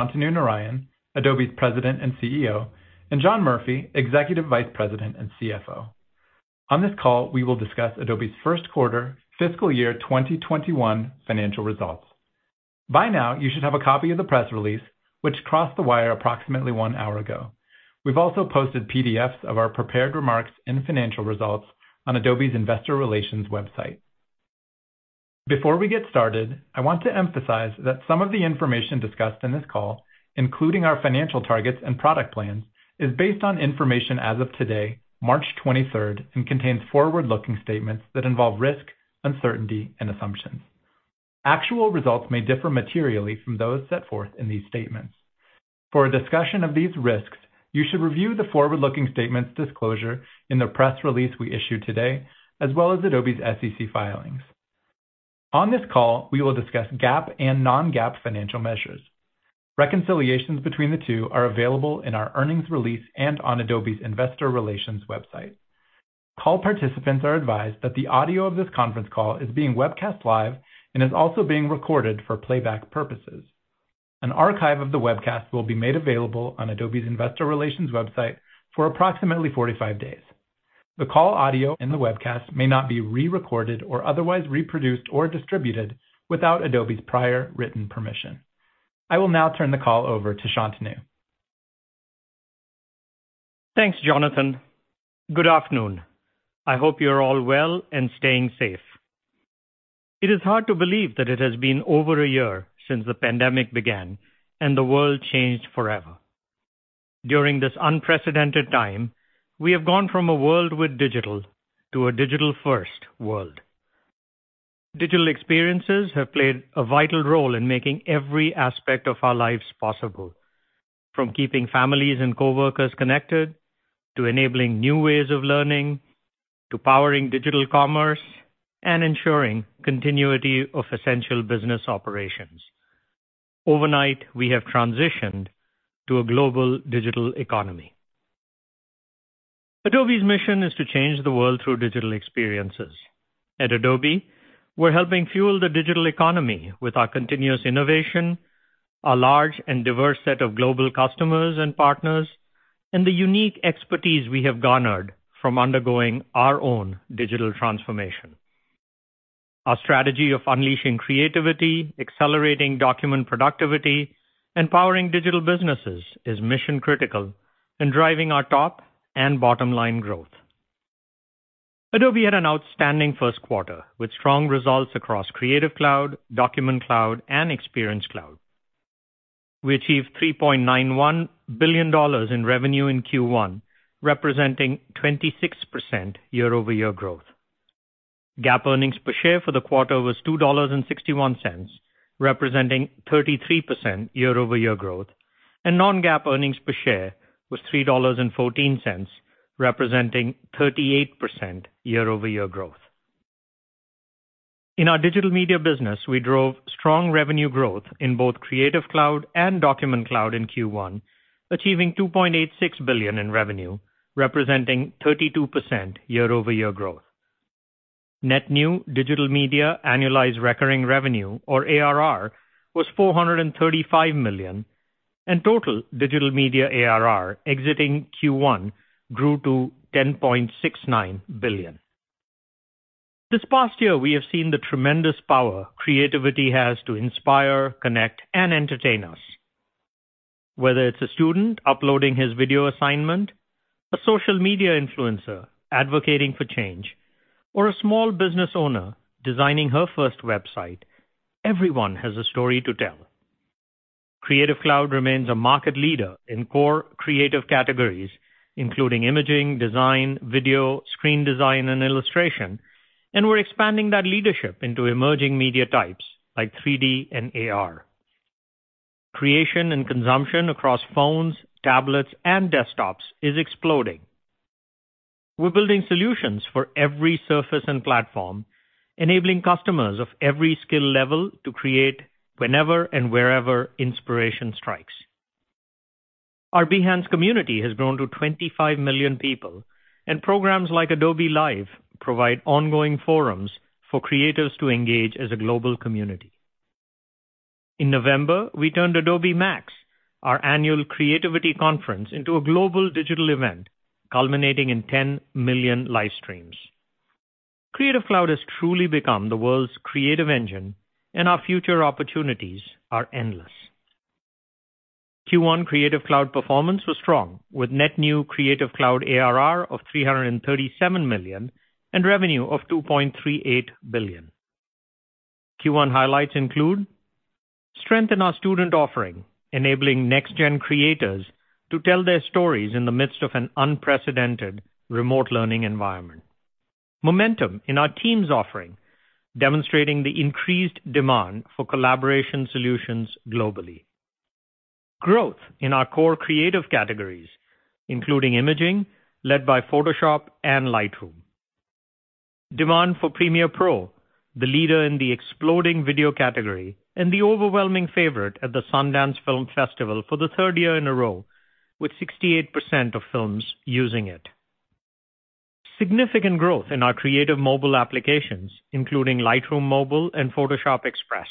Shantanu Narayen, Adobe's President and CEO, and John Murphy, Executive Vice President and CFO. On this call, we will discuss Adobe's first quarter fiscal year 2021 financial results. By now, you should have a copy of the press release, which crossed the wire approximately one hour ago. We've also posted PDFs of our prepared remarks and financial results on Adobe's Investor Relations website. Before we get started, I want to emphasize that some of the information discussed in this call, including our financial targets and product plans, is based on information as of today, March 23rd, and contains forward-looking statements that involve risk, uncertainty, and assumptions. Actual results may differ materially from those set forth in these statements. For a discussion of these risks, you should review the forward-looking statements disclosure in the press release we issued today, as well as Adobe's SEC filings. On this call, we will discuss GAAP and non-GAAP financial measures. Reconciliations between the two are available in our earnings release and on Adobe's Investor Relations website. Call participants are advised that the audio of this conference call is being webcast live and is also being recorded for playback purposes. An archive of the webcast will be made available on Adobe's Investor Relations website for approximately 45 days. The call audio and the webcast may not be re-recorded or otherwise reproduced or distributed without Adobe's prior written permission. I will now turn the call over to Shantanu. Thanks, Jonathan. Good afternoon. I hope you're all well and staying safe. It is hard to believe that it has been over a year since the pandemic began and the world changed forever. During this unprecedented time, we have gone from a world with digital to a digital-first world. Digital experiences have played a vital role in making every aspect of our lives possible, from keeping families and coworkers connected, to enabling new ways of learning, to powering digital commerce and ensuring continuity of essential business operations. Overnight, we have transitioned to a global digital economy. Adobe's mission is to change the world through digital experiences. At Adobe, we're helping fuel the digital economy with our continuous innovation, a large and diverse set of global customers and partners, and the unique expertise we have garnered from undergoing our own digital transformation. Our strategy of unleashing creativity, accelerating document productivity, and powering digital businesses is mission-critical in driving our top and bottom-line growth. Adobe had an outstanding first quarter with strong results across Creative Cloud, Document Cloud, and Experience Cloud. We achieved $3.91 billion in revenue in Q1, representing 26% year-over-year growth. GAAP earnings per share for the quarter was $2.61, representing 33% year-over-year growth, and non-GAAP earnings per share was $3.14, representing 38% year-over-year growth. In our Digital Media business, we drove strong revenue growth in both Creative Cloud and Document Cloud in Q1, achieving $2.86 billion in revenue, representing 32% year-over-year growth. Net new Digital Media annualized recurring revenue or ARR was $435 million, and total Digital Media ARR exiting Q1 grew to $10.69 billion. This past year, we have seen the tremendous power creativity has to inspire, connect, and entertain us. Whether it's a student uploading his video assignment, a social media influencer advocating for change, or a small business owner designing her first website, everyone has a story to tell. Creative Cloud remains a market leader in core creative categories, including imaging, design, video, screen design, and illustration, and we're expanding that leadership into emerging media types like 3D and AR. Creation and consumption across phones, tablets, and desktops is exploding. We're building solutions for every surface and platform, enabling customers of every skill level to create whenever and wherever inspiration strikes. Our Behance community has grown to 25 million people, and programs like Adobe Live provide ongoing forums for creators to engage as a global community. In November, we turned Adobe MAX, our annual creativity conference, into a global digital event culminating in 10 million live streams. Creative Cloud has truly become the world's creative engine, our future opportunities are endless. Q1 Creative Cloud performance was strong, with net new Creative Cloud ARR of $337 million and revenue of $2.38 billion. Q1 highlights include strength in our student offering, enabling next-gen creators to tell their stories in the midst of an unprecedented remote learning environment. Momentum in our team's offering, demonstrating the increased demand for collaboration solutions globally. Growth in our core creative categories, including imaging led by Photoshop and Lightroom. Demand for Premiere Pro, the leader in the exploding video category and the overwhelming favorite at the Sundance Film Festival for the third year in a row, with 68% of films using it. Significant growth in our creative mobile applications, including Lightroom Mobile and Photoshop Express.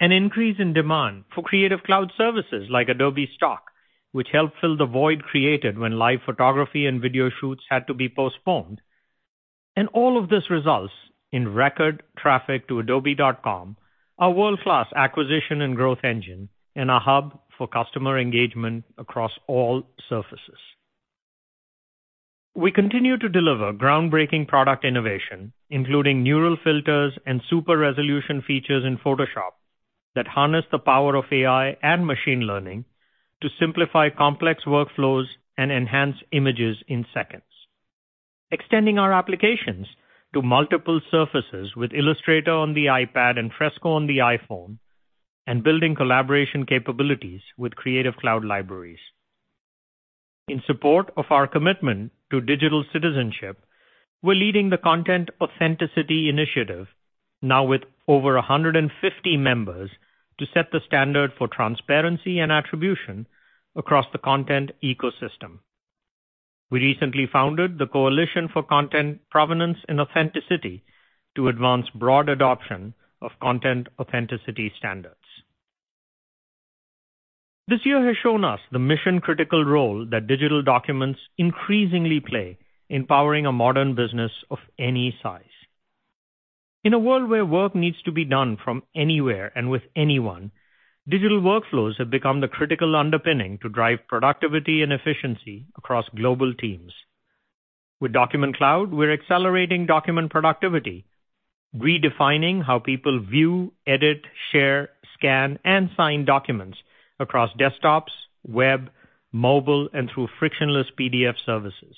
An increase in demand for Creative Cloud services like Adobe Stock, which helped fill the void created when live photography and video shoots had to be postponed. All of this results in record traffic to adobe.com, our world-class acquisition and growth engine, and a hub for customer engagement across all surfaces. We continue to deliver groundbreaking product innovation, including Neural Filters and super-resolution features in Photoshop that harness the power of AI and machine learning to simplify complex workflows and enhance images in seconds, extending our applications to multiple surfaces with Illustrator on the iPad and Fresco on the iPhone, and building collaboration capabilities with Creative Cloud Libraries. In support of our commitment to digital citizenship, we're leading the Content Authenticity Initiative, now with over 150 members, to set the standard for transparency and attribution across the content ecosystem. We recently founded the Coalition for Content Provenance and Authenticity to advance broad adoption of content authenticity standards. This year has shown us the mission-critical role that digital documents increasingly play in powering a modern business of any size. In a world where work needs to be done from anywhere and with anyone, digital workflows have become the critical underpinning to drive productivity and efficiency across global teams. With Document Cloud, we're accelerating document productivity, redefining how people view, edit, share, scan, and sign documents across desktops, web, mobile, and through frictionless PDF services.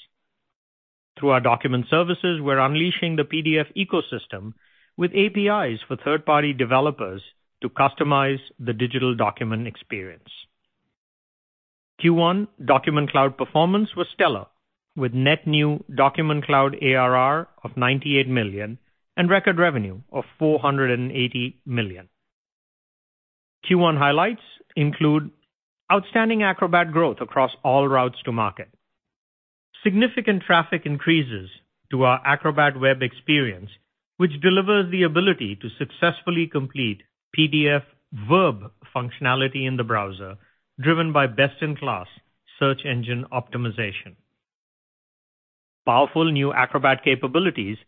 Through our document services, we're unleashing the PDF ecosystem with APIs for third-party developers to customize the digital document experience. Q1 Document Cloud performance was stellar, with net new Document Cloud ARR of $98 million and record revenue of $480 million. Q1 highlights include outstanding Acrobat growth across all routes to market. Significant traffic increases to our Acrobat web experience, which delivers the ability to successfully complete PDF verb functionality in the browser driven by best-in-class search engine optimization. Powerful new Acrobat capabilities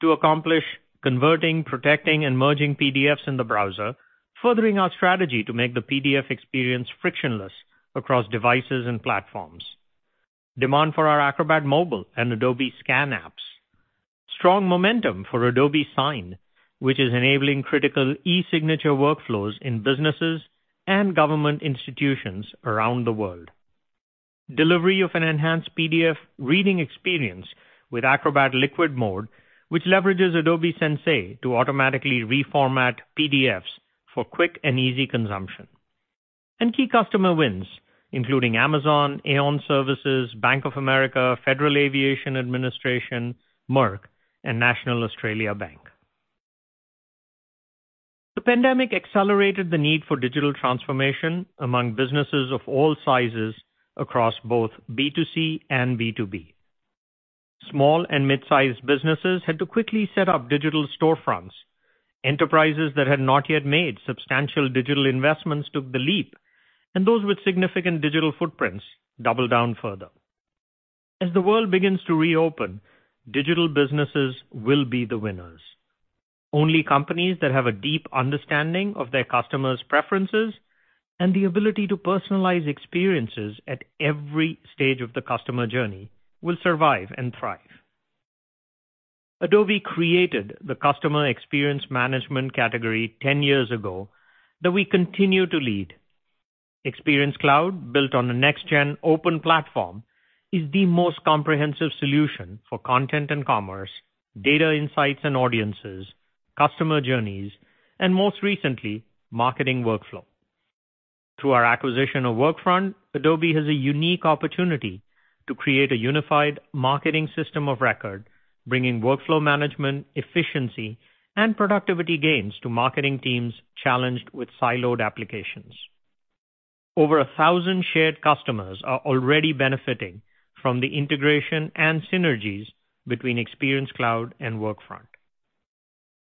to accomplish converting, protecting, and merging PDFs in the browser, furthering our strategy to make the PDF experience frictionless across devices and platforms. Demand for our Acrobat Mobile and Adobe Scan apps. Strong momentum for Adobe Sign, which is enabling critical e-signature workflows in businesses and government institutions around the world. Delivery of an enhanced PDF reading experience with Acrobat Liquid Mode, which leverages Adobe Sensei to automatically reformat PDFs for quick and easy consumption. Key customer wins including Amazon, Aon Services, Bank of America, Federal Aviation Administration, Merck, and National Australia Bank. The pandemic accelerated the need for digital transformation among businesses of all sizes across both B2C and B2B. Small and mid-sized businesses had to quickly set up digital storefronts. Enterprises that had not yet made substantial digital investments took the leap, and those with significant digital footprints doubled down further. As the world begins to reopen, digital businesses will be the winners. Only companies that have a deep understanding of their customers' preferences and the ability to personalize experiences at every stage of the customer journey will survive and thrive. Adobe created the customer experience management category 10 years ago that we continue to lead. Experience Cloud, built on a next-gen open platform, is the most comprehensive solution for content and commerce, data insights and audiences, customer journeys, and most recently, marketing workflow. Through our acquisition of Workfront, Adobe has a unique opportunity to create a unified marketing system of record, bringing workflow management efficiency and productivity gains to marketing teams challenged with siloed applications. Over 1,000 shared customers are already benefiting from the integration and synergies between Experience Cloud and Workfront.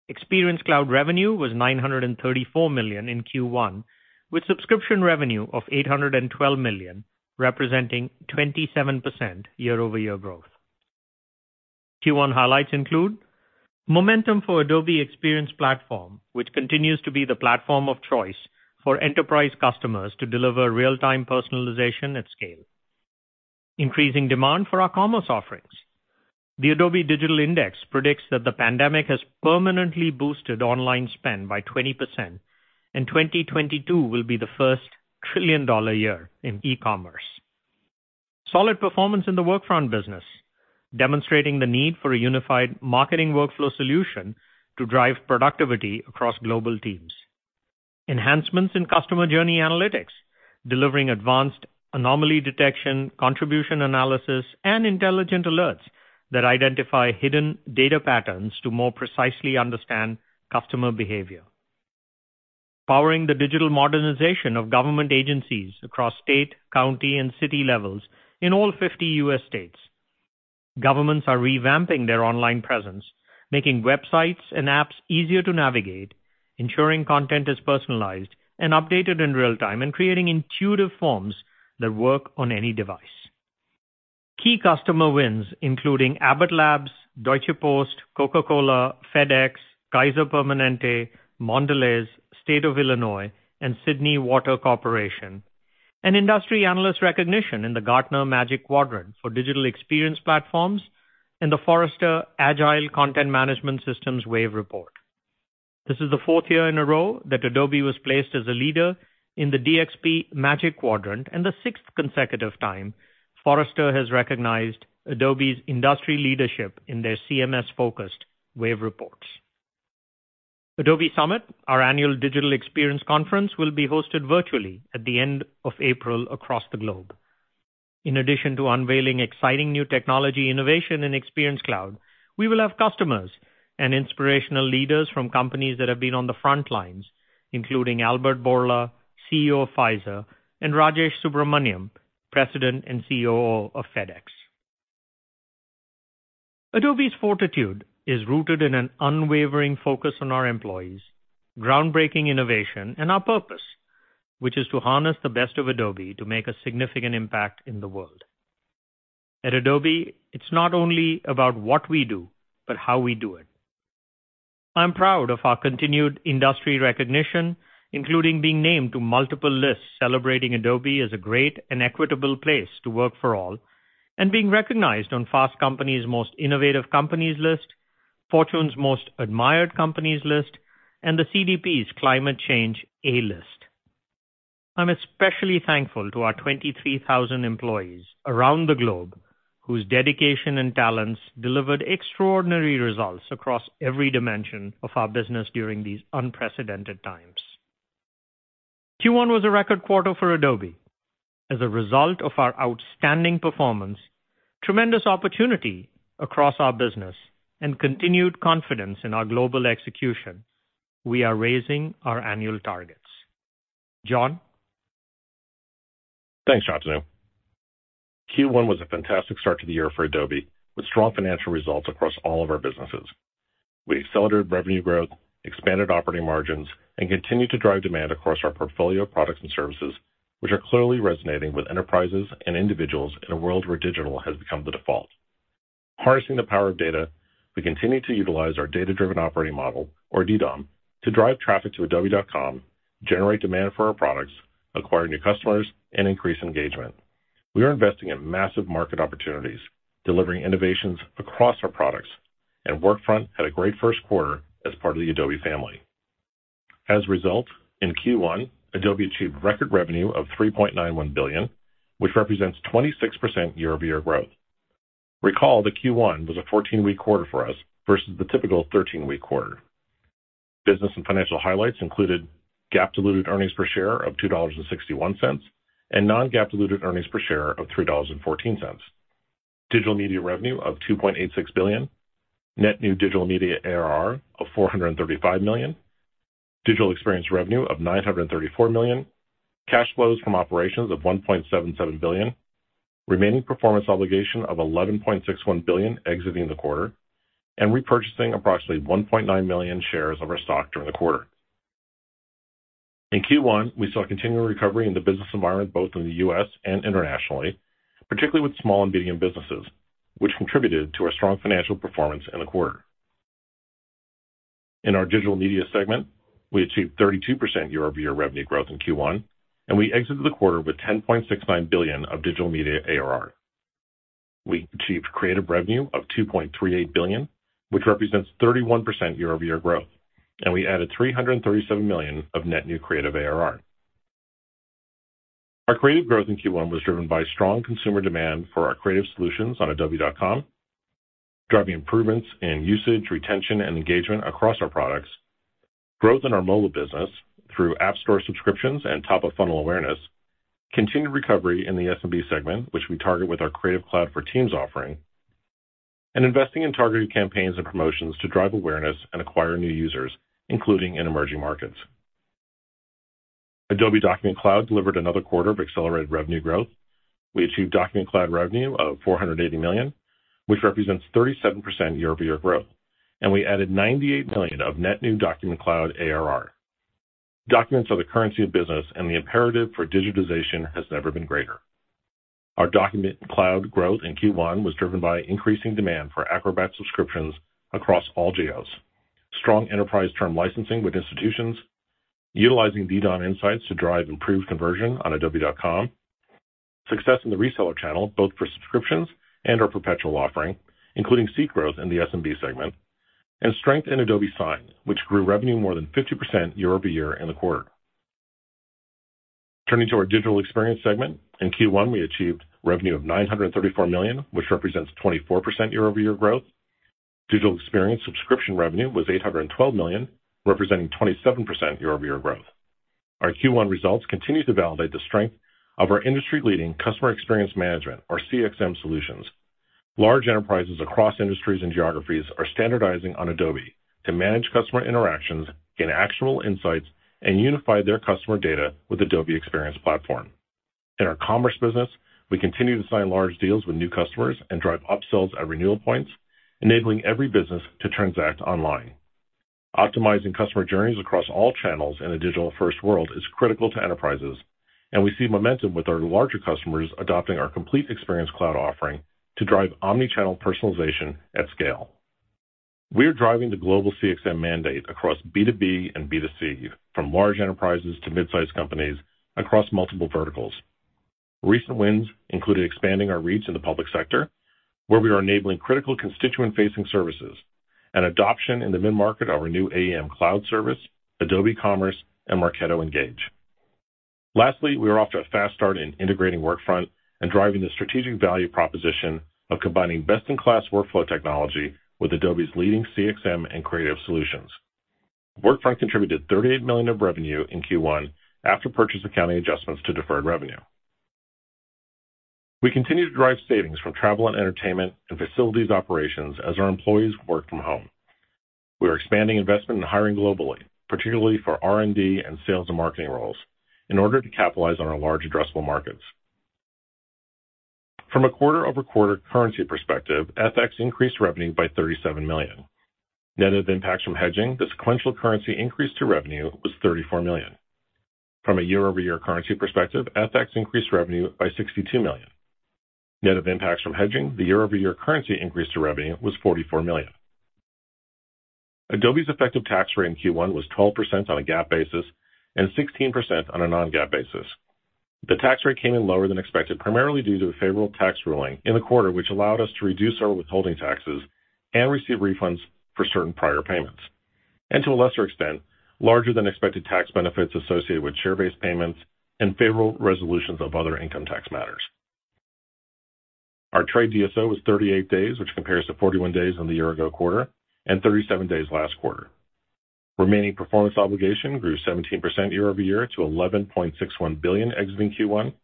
Experience Cloud revenue was $934 million in Q1, with subscription revenue of $812 million, representing 27% year-over-year growth. Q1 highlights include momentum for Adobe Experience Platform, which continues to be the platform of choice for enterprise customers to deliver real-time personalization at scale. Increasing demand for our commerce offerings. The Adobe Digital Index predicts that the pandemic has permanently boosted online spend by 20%, and 2022 will be the first trillion-dollar year in e-commerce. Solid performance in the Workfront business, demonstrating the need for a unified marketing workflow solution to drive productivity across global teams. Enhancements in Customer Journey Analytics, delivering advanced anomaly detection, contribution analysis, and intelligent alerts that identify hidden data patterns to more precisely understand customer behavior. Powering the digital modernization of government agencies across state, county, and city levels in all 50 U.S. states. Governments are revamping their online presence, making websites and apps easier to navigate, ensuring content is personalized and updated in real-time, and creating intuitive forms that work on any device. Key customer wins including Abbott Labs, Deutsche Post, Coca-Cola, FedEx, Kaiser Permanente, Mondelēz, State of Illinois, and Sydney Water Corporation. Industry analyst recognition in the Gartner Magic Quadrant for Digital Experience Platforms and the Forrester Agile Content Management Systems Wave report. This is the fourth year in a row that Adobe was placed as a leader in the DXP Magic Quadrant, and the sixth consecutive time Forrester has recognized Adobe's industry leadership in their CMS-focused wave reports. Adobe Summit, our annual digital experience conference, will be hosted virtually at the end of April across the globe. In addition to unveiling exciting new technology, innovation, and Experience Cloud, we will have customers and inspirational leaders from companies that have been on the front lines, including Albert Bourla, CEO of Pfizer, and Rajesh Subramaniam, President and COO of FedEx. Adobe's fortitude is rooted in an unwavering focus on our employees, groundbreaking innovation, and our purpose, which is to harness the best of Adobe to make a significant impact in the world. At Adobe, it's not only about what we do, but how we do it. I'm proud of our continued industry recognition, including being named to multiple lists celebrating Adobe as a great and equitable place to work for all, and being recognized on Fast Company's Most Innovative Companies list, Fortune's Most Admired Companies list, and the CDP's Climate Change A List. I'm especially thankful to our 23,000 employees around the globe whose dedication and talents delivered extraordinary results across every dimension of our business during these unprecedented times. Q1 was a record quarter for Adobe. As a result of our outstanding performance, tremendous opportunity across our business, and continued confidence in our global execution, we are raising our annual targets. John? Thanks, Shantanu. Q1 was a fantastic start to the year for Adobe, with strong financial results across all of our businesses. We accelerated revenue growth, expanded operating margins, and continued to drive demand across our portfolio of products and services, which are clearly resonating with enterprises and individuals in a world where digital has become the default. Harnessing the power of data, we continue to utilize our data-driven operating model, or DDOM, to drive traffic to adobe.com, generate demand for our products, acquire new customers, and increase engagement. We are investing in massive market opportunities, delivering innovations across our products, and Workfront had a great first quarter as part of the Adobe family. As a result, in Q1, Adobe achieved record revenue of $3.91 billion, which represents 26% year-over-year growth. Recall that Q1 was a 14-week quarter for us versus the typical 13-week quarter. Business and financial highlights included GAAP diluted earnings per share of $2.61, and non-GAAP diluted earnings per share of $3.14. Digital Media revenue of $2.86 billion, net new Digital Media ARR of $435 million, Digital Experience revenue of $934 million, cash flows from operations of $1.77 billion, remaining performance obligation of $11.61 billion exiting the quarter, and repurchasing approximately 1.9 million shares of our stock during the quarter. In Q1, we saw continual recovery in the business environment both in the U.S. and internationally, particularly with small and medium businesses, which contributed to our strong financial performance in the quarter. In our Digital Media segment, we achieved 32% year-over-year revenue growth in Q1, and we exited the quarter with $10.69 billion of Digital Media ARR. We achieved Creative revenue of $2.38 billion, which represents 31% year-over-year growth, and we added $337 million of net new Creative ARR. Our Creative growth in Q1 was driven by strong consumer demand for our Creative solutions on adobe.com, driving improvements in usage, retention, and engagement across our products, growth in our mobile business through app store subscriptions and top-of-funnel awareness, continued recovery in the SMB segment, which we target with our Creative Cloud for Teams offering, and investing in targeted campaigns and promotions to drive awareness and acquire new users, including in emerging markets. Adobe Document Cloud delivered another quarter of accelerated revenue growth. We achieved Document Cloud revenue of $480 million, which represents 37% year-over-year growth, and we added $98 million of net new Document Cloud ARR. Documents are the currency of business, and the imperative for digitization has never been greater. Our Document Cloud growth in Q1 was driven by increasing demand for Acrobat subscriptions across all geos. Strong enterprise term licensing with institutions, utilizing DDOM insights to drive improved conversion on adobe.com, success in the reseller channel, both for subscriptions and our perpetual offering, including seat growth in the SMB segment, and strength in Adobe Sign, which grew revenue more than 50% year-over-year in the quarter. Turning to our Digital Experience segment. In Q1, we achieved revenue of $934 million, which represents 24% year-over-year growth. Digital Experience subscription revenue was $812 million, representing 27% year-over-year growth. Our Q1 results continue to validate the strength of our industry-leading customer experience management, or CXM solutions. Large enterprises across industries and geographies are standardizing on Adobe to manage customer interactions, gain actionable insights, and unify their customer data with Adobe Experience Platform. In our commerce business, we continue to sign large deals with new customers and drive upsells at renewal points, enabling every business to transact online. Optimizing customer journeys across all channels in a digital-first world is critical to enterprises, and we see momentum with our larger customers adopting our complete Experience Cloud offering to drive omni-channel personalization at scale. We are driving the global CXM mandate across B2B and B2C, from large enterprises to midsize companies across multiple verticals. Recent wins included expanding our reach in the public sector, where we are enabling critical constituent-facing services and adoption in the mid-market of our new AEM Cloud Service, Adobe Commerce, and Marketo Engage. Lastly, we are off to a fast start in integrating Workfront and driving the strategic value proposition of combining best-in-class workflow technology with Adobe's leading CXM and Creative solutions. Workfront contributed $38 million of revenue in Q1 after purchase accounting adjustments to deferred revenue. We continue to drive savings from travel and entertainment and facilities operations as our employees work from home. We are expanding investment in hiring globally, particularly for R&D and sales and marketing roles, in order to capitalize on our large addressable markets. From a quarter-over-quarter currency perspective, FX increased revenue by $37 million. Net of impacts from hedging, the sequential currency increase to revenue was $34 million. From a year-over-year currency perspective, FX increased revenue by $62 million. Net of impacts from hedging, the year-over-year currency increase to revenue was $44 million. Adobe's effective tax rate in Q1 was 12% on a GAAP basis and 16% on a non-GAAP basis. The tax rate came in lower than expected, primarily due to a favorable tax ruling in the quarter, which allowed us to reduce our withholding taxes and receive refunds for certain prior payments, and to a lesser extent, larger than expected tax benefits associated with share-based payments and favorable resolutions of other income tax matters. Our trade DSO was 38 days, which compares to 41 days in the year-ago quarter and 37 days last quarter. Remaining performance obligation grew 17% year-over-year to $11.61 billion exiting Q1.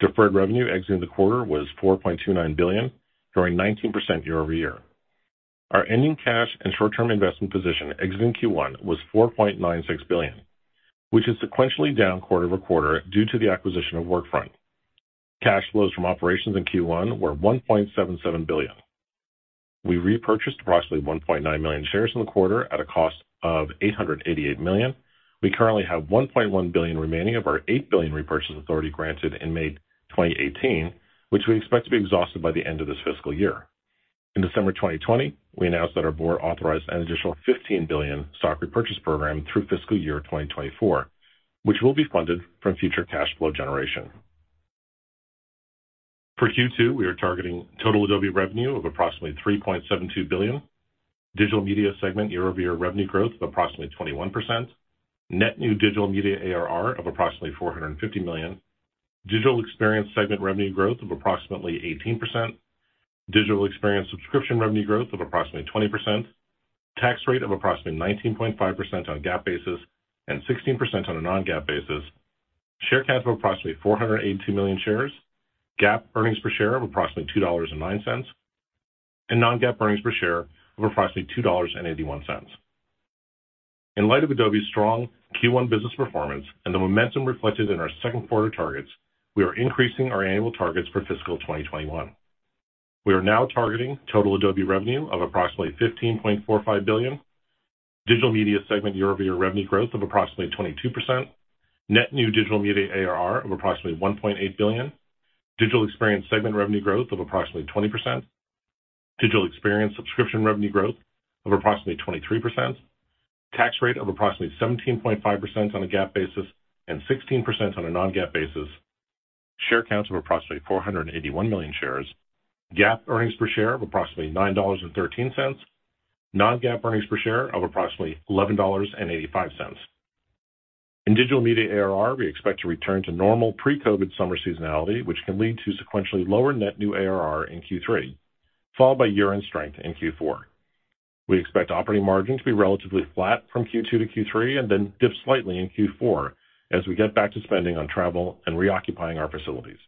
Deferred revenue exiting the quarter was $4.29 billion, growing 19% year-over-year. Our ending cash and short-term investment position exiting Q1 was $4.96 billion, which is sequentially down quarter-over-quarter due to the acquisition of Workfront. Cash flows from operations in Q1 were $1.77 billion. We repurchased approximately 1.9 million shares in the quarter at a cost of $888 million. We currently have $1.1 billion remaining of our $8 billion repurchase authority granted in May 2018, which we expect to be exhausted by the end of this fiscal year. In December 2020, we announced that our Board authorized an additional $15 billion stock repurchase program through fiscal year 2024, which will be funded from future cash flow generation. For Q2, we are targeting total Adobe revenue of approximately $3.72 billion, Digital Media segment year-over-year revenue growth of approximately 21%, net new Digital Media ARR of approximately $450 million, Digital Experience segment revenue growth of approximately 18%, Digital Experience subscription revenue growth of approximately 20%, tax rate of approximately 19.5% on a GAAP basis and 16% on a non-GAAP basis, share count of approximately 482 million shares, GAAP earnings per share of approximately $2.09, and non-GAAP earnings per share of approximately $2.81. In light of Adobe's strong Q1 business performance and the momentum reflected in our second quarter targets, we are increasing our annual targets for fiscal 2021. We are now targeting total Adobe revenue of approximately $15.45 billion, Digital Media segment year-over-year revenue growth of approximately 22%, net new Digital Media ARR of approximately $1.8 billion, Digital Experience segment revenue growth of approximately 20%, Digital Experience subscription revenue growth of approximately 23%, tax rate of approximately 17.5% on a GAAP basis and 16% on a non-GAAP basis, share counts of approximately 481 million shares, GAAP earnings per share of approximately $9.13, non-GAAP earnings per share of approximately $11.85. In Digital Media ARR, we expect to return to normal pre-COVID summer seasonality, which can lead to sequentially lower net new ARR in Q3, followed by year-end strength in Q4. We expect operating margin to be relatively flat from Q2 to Q3 and then dip slightly in Q4 as we get back to spending on travel and reoccupying our facilities.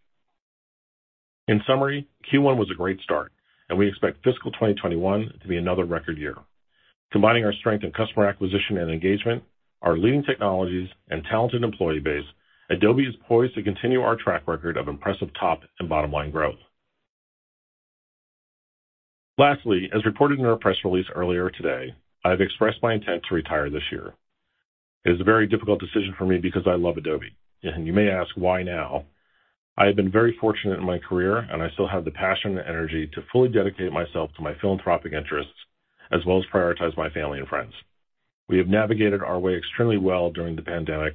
In summary, Q1 was a great start and we expect fiscal 2021 to be another record year. Combining our strength in customer acquisition and engagement, our leading technologies, and talented employee base, Adobe is poised to continue our track record of impressive top and bottom line growth. Lastly, as reported in our press release earlier today, I've expressed my intent to retire this year. It is a very difficult decision for me because I love Adobe, and you may ask why now. I have been very fortunate in my career, and I still have the passion and energy to fully dedicate myself to my philanthropic interests as well as prioritize my family and friends. We have navigated our way extremely well during the pandemic,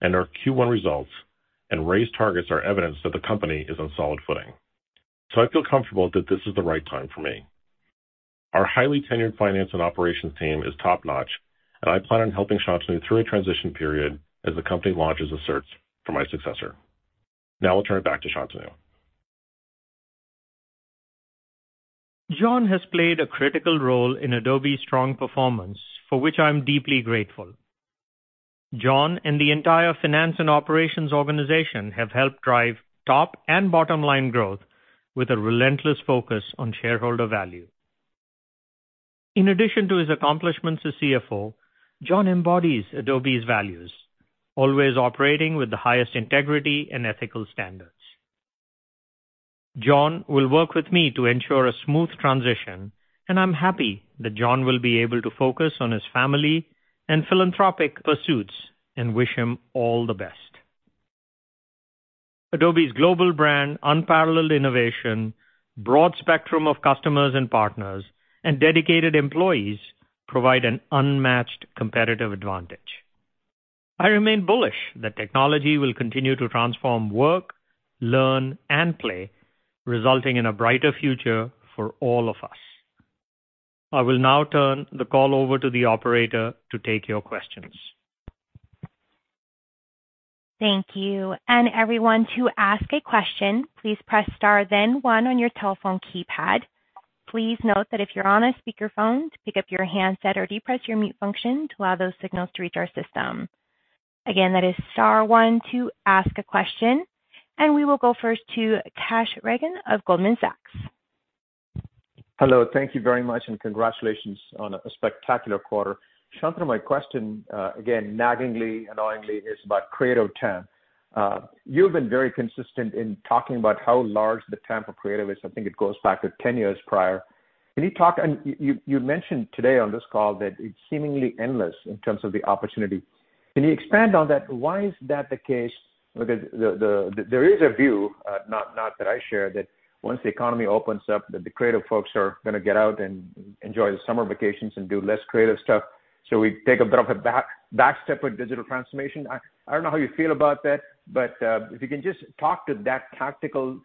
and our Q1 results and raised targets are evidence that the company is on solid footing. I feel comfortable that this is the right time for me. Our highly tenured finance and operations team is top-notch, and I plan on helping Shantanu through a transition period as the company launches a search for my successor. I'll turn it back to Shantanu. John has played a critical role in Adobe's strong performance, for which I am deeply grateful. John and the entire finance and operations organization have helped drive top and bottom-line growth with a relentless focus on shareholder value. In addition to his accomplishments as CFO, John embodies Adobe's values, always operating with the highest integrity and ethical standards. John will work with me to ensure a smooth transition, and I'm happy that John will be able to focus on his family and philanthropic pursuits, and wish him all the best. Adobe's global brand, unparalleled innovation, broad spectrum of customers and partners, and dedicated employees provide an unmatched competitive advantage. I remain bullish that technology will continue to transform work, learn, and play, resulting in a brighter future for all of us. I will now turn the call over to the operator to take your questions. Thank you. Everyone, to ask a question, please press star then one on your telephone keypad. Please note that if you're on a speaker phone, pick up your handset or de-press your mute function to allow your signal to reach our system. Again, that is star one to ask a question. We will go first to Kash Rangan of Goldman Sachs. Hello, thank you very much, and congratulations on a spectacular quarter. Shantanu, my question, again, naggingly, annoyingly, is about Creative TAM. You've been very consistent in talking about how large the TAM for Creative is. I think it goes back to 10 years prior. You mentioned today on this call that it's seemingly endless in terms of the opportunity. Can you expand on that? Why is that the case? There is a view, not that I share, that once the economy opens up, that the creative folks are going to get out and enjoy the summer vacations and do less creative stuff, so we take a bit of a back step with digital transformation. I don't know how you feel about that, but if you can just talk to that tactical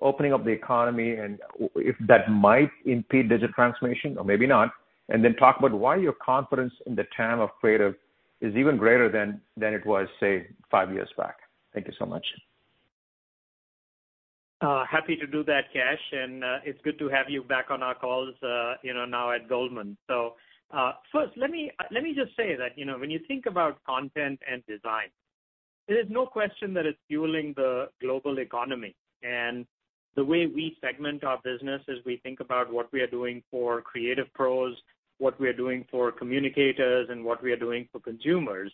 opening of the economy and if that might impede digital transformation or maybe not, then talk about why your confidence in the TAM of Creative is even greater than it was, say, five years back. Thank you so much. Happy to do that, Kash. It's good to have you back on our calls now at Goldman. First, let me just say that when you think about content and design, there is no question that it's fueling the global economy. The way we segment our business is we think about what we are doing for creative pros, what we are doing for communicators, and what we are doing for consumers.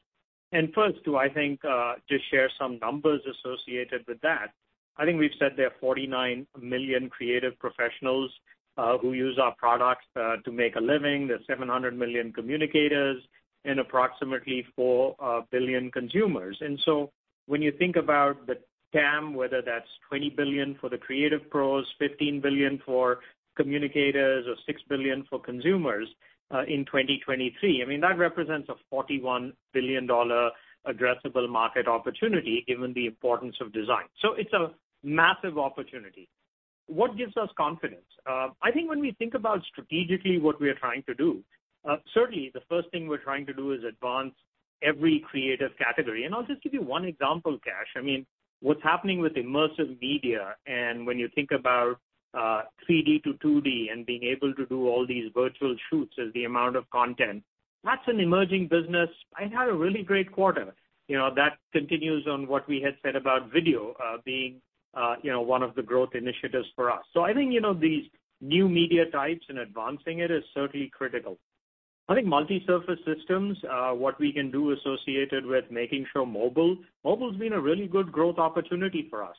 First, to, I think, just share some numbers associated with that, I think we've said there are 49 million creative professionals who use our products to make a living. There's 700 million communicators and approximately 4 billion consumers. When you think about the TAM, whether that's $20 billion for the creative pros, $15 billion for communicators, or $6 billion for consumers in 2023, that represents a $41 billion addressable market opportunity given the importance of design. It's a massive opportunity. What gives us confidence? I think when we think about strategically what we are trying to do, certainly the first thing we're trying to do is advance every creative category. I'll just give you one example, Kash. What's happening with immersive media, and when you think about 3D to 2D and being able to do all these virtual shoots as the amount of content, that's an emerging business, and had a really great quarter. That continues on what we had said about video being one of the growth initiatives for us. I think these new media types and advancing it is certainly critical. I think multi-surface systems, what we can do associated with making sure mobile. Mobile's been a really good growth opportunity for us.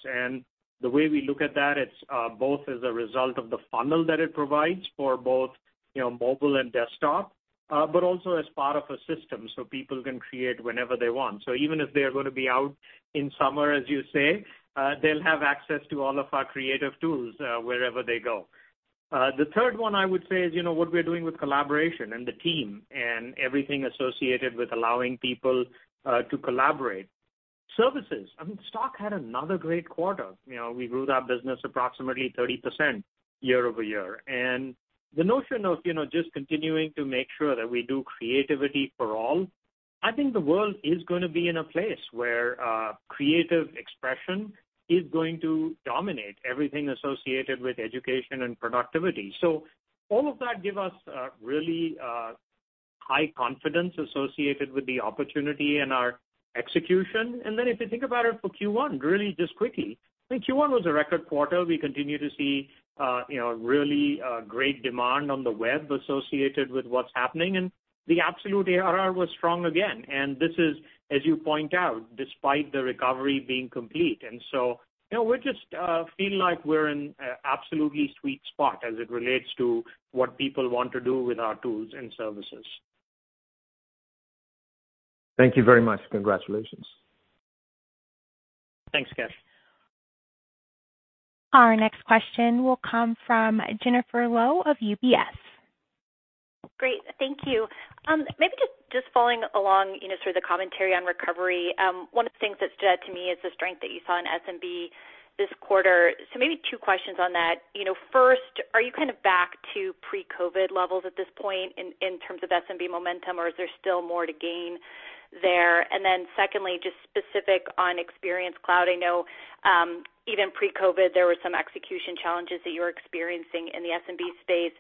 The way we look at that, it's both as a result of the funnel that it provides for both mobile and desktop, but also as part of a system so people can create whenever they want. Even if they're going to be out in summer, as you say, they'll have access to all of our creative tools wherever they go. The third one I would say is what we're doing with collaboration and the team and everything associated with allowing people to collaborate. Services. Adobe Stock had another great quarter. We grew that business approximately 30% year-over-year. The notion of just continuing to make sure that we do creativity for all, I think the world is going to be in a place where creative expression is going to dominate everything associated with education and productivity. All of that give us really high confidence associated with the opportunity and our execution. If you think about it for Q1, really just quickly, I think Q1 was a record quarter. We continue to see really great demand on the web associated with what's happening, and the absolute ARR was strong again. This is, as you point out, despite the recovery being complete. We just feel like we're in absolutely sweet spot as it relates to what people want to do with our tools and services. Thank you very much. Congratulations. Thanks, Kash. Our next question will come from Jennifer Lowe of UBS. Great. Thank you. Maybe just following along sort of the commentary on recovery. One of the things that stood out to me is the strength that you saw in SMB this quarter. Maybe two questions on that. First, are you kind of back to pre-COVID levels at this point in terms of SMB momentum, or is there still more to gain there? Then secondly, just specific on Experience Cloud. I know even pre-COVID, there were some execution challenges that you were experiencing in the SMB space.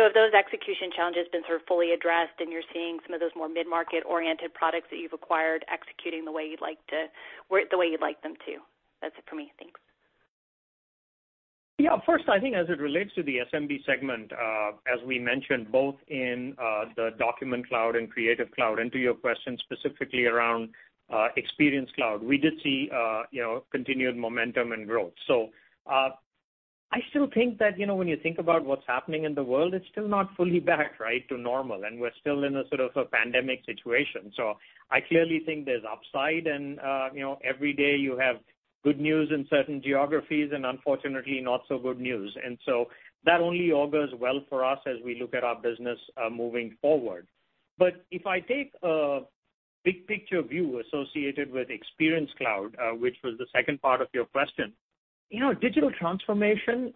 Have those execution challenges been sort of fully addressed and you're seeing some of those more mid-market-oriented products that you've acquired executing the way you'd like them to? That's it for me. Thanks. First, I think as it relates to the SMB segment, as we mentioned both in the Document Cloud and Creative Cloud, and to your question specifically around Experience Cloud, we did see continued momentum and growth. I still think that when you think about what's happening in the world, it's still not fully back to normal, and we're still in a sort of a pandemic situation. I clearly think there's upside and every day you have good news in certain geographies and unfortunately not so good news. That only augers well for us as we look at our business moving forward. If I take a big picture view associated with Experience Cloud, which was the second part of your question, digital transformation,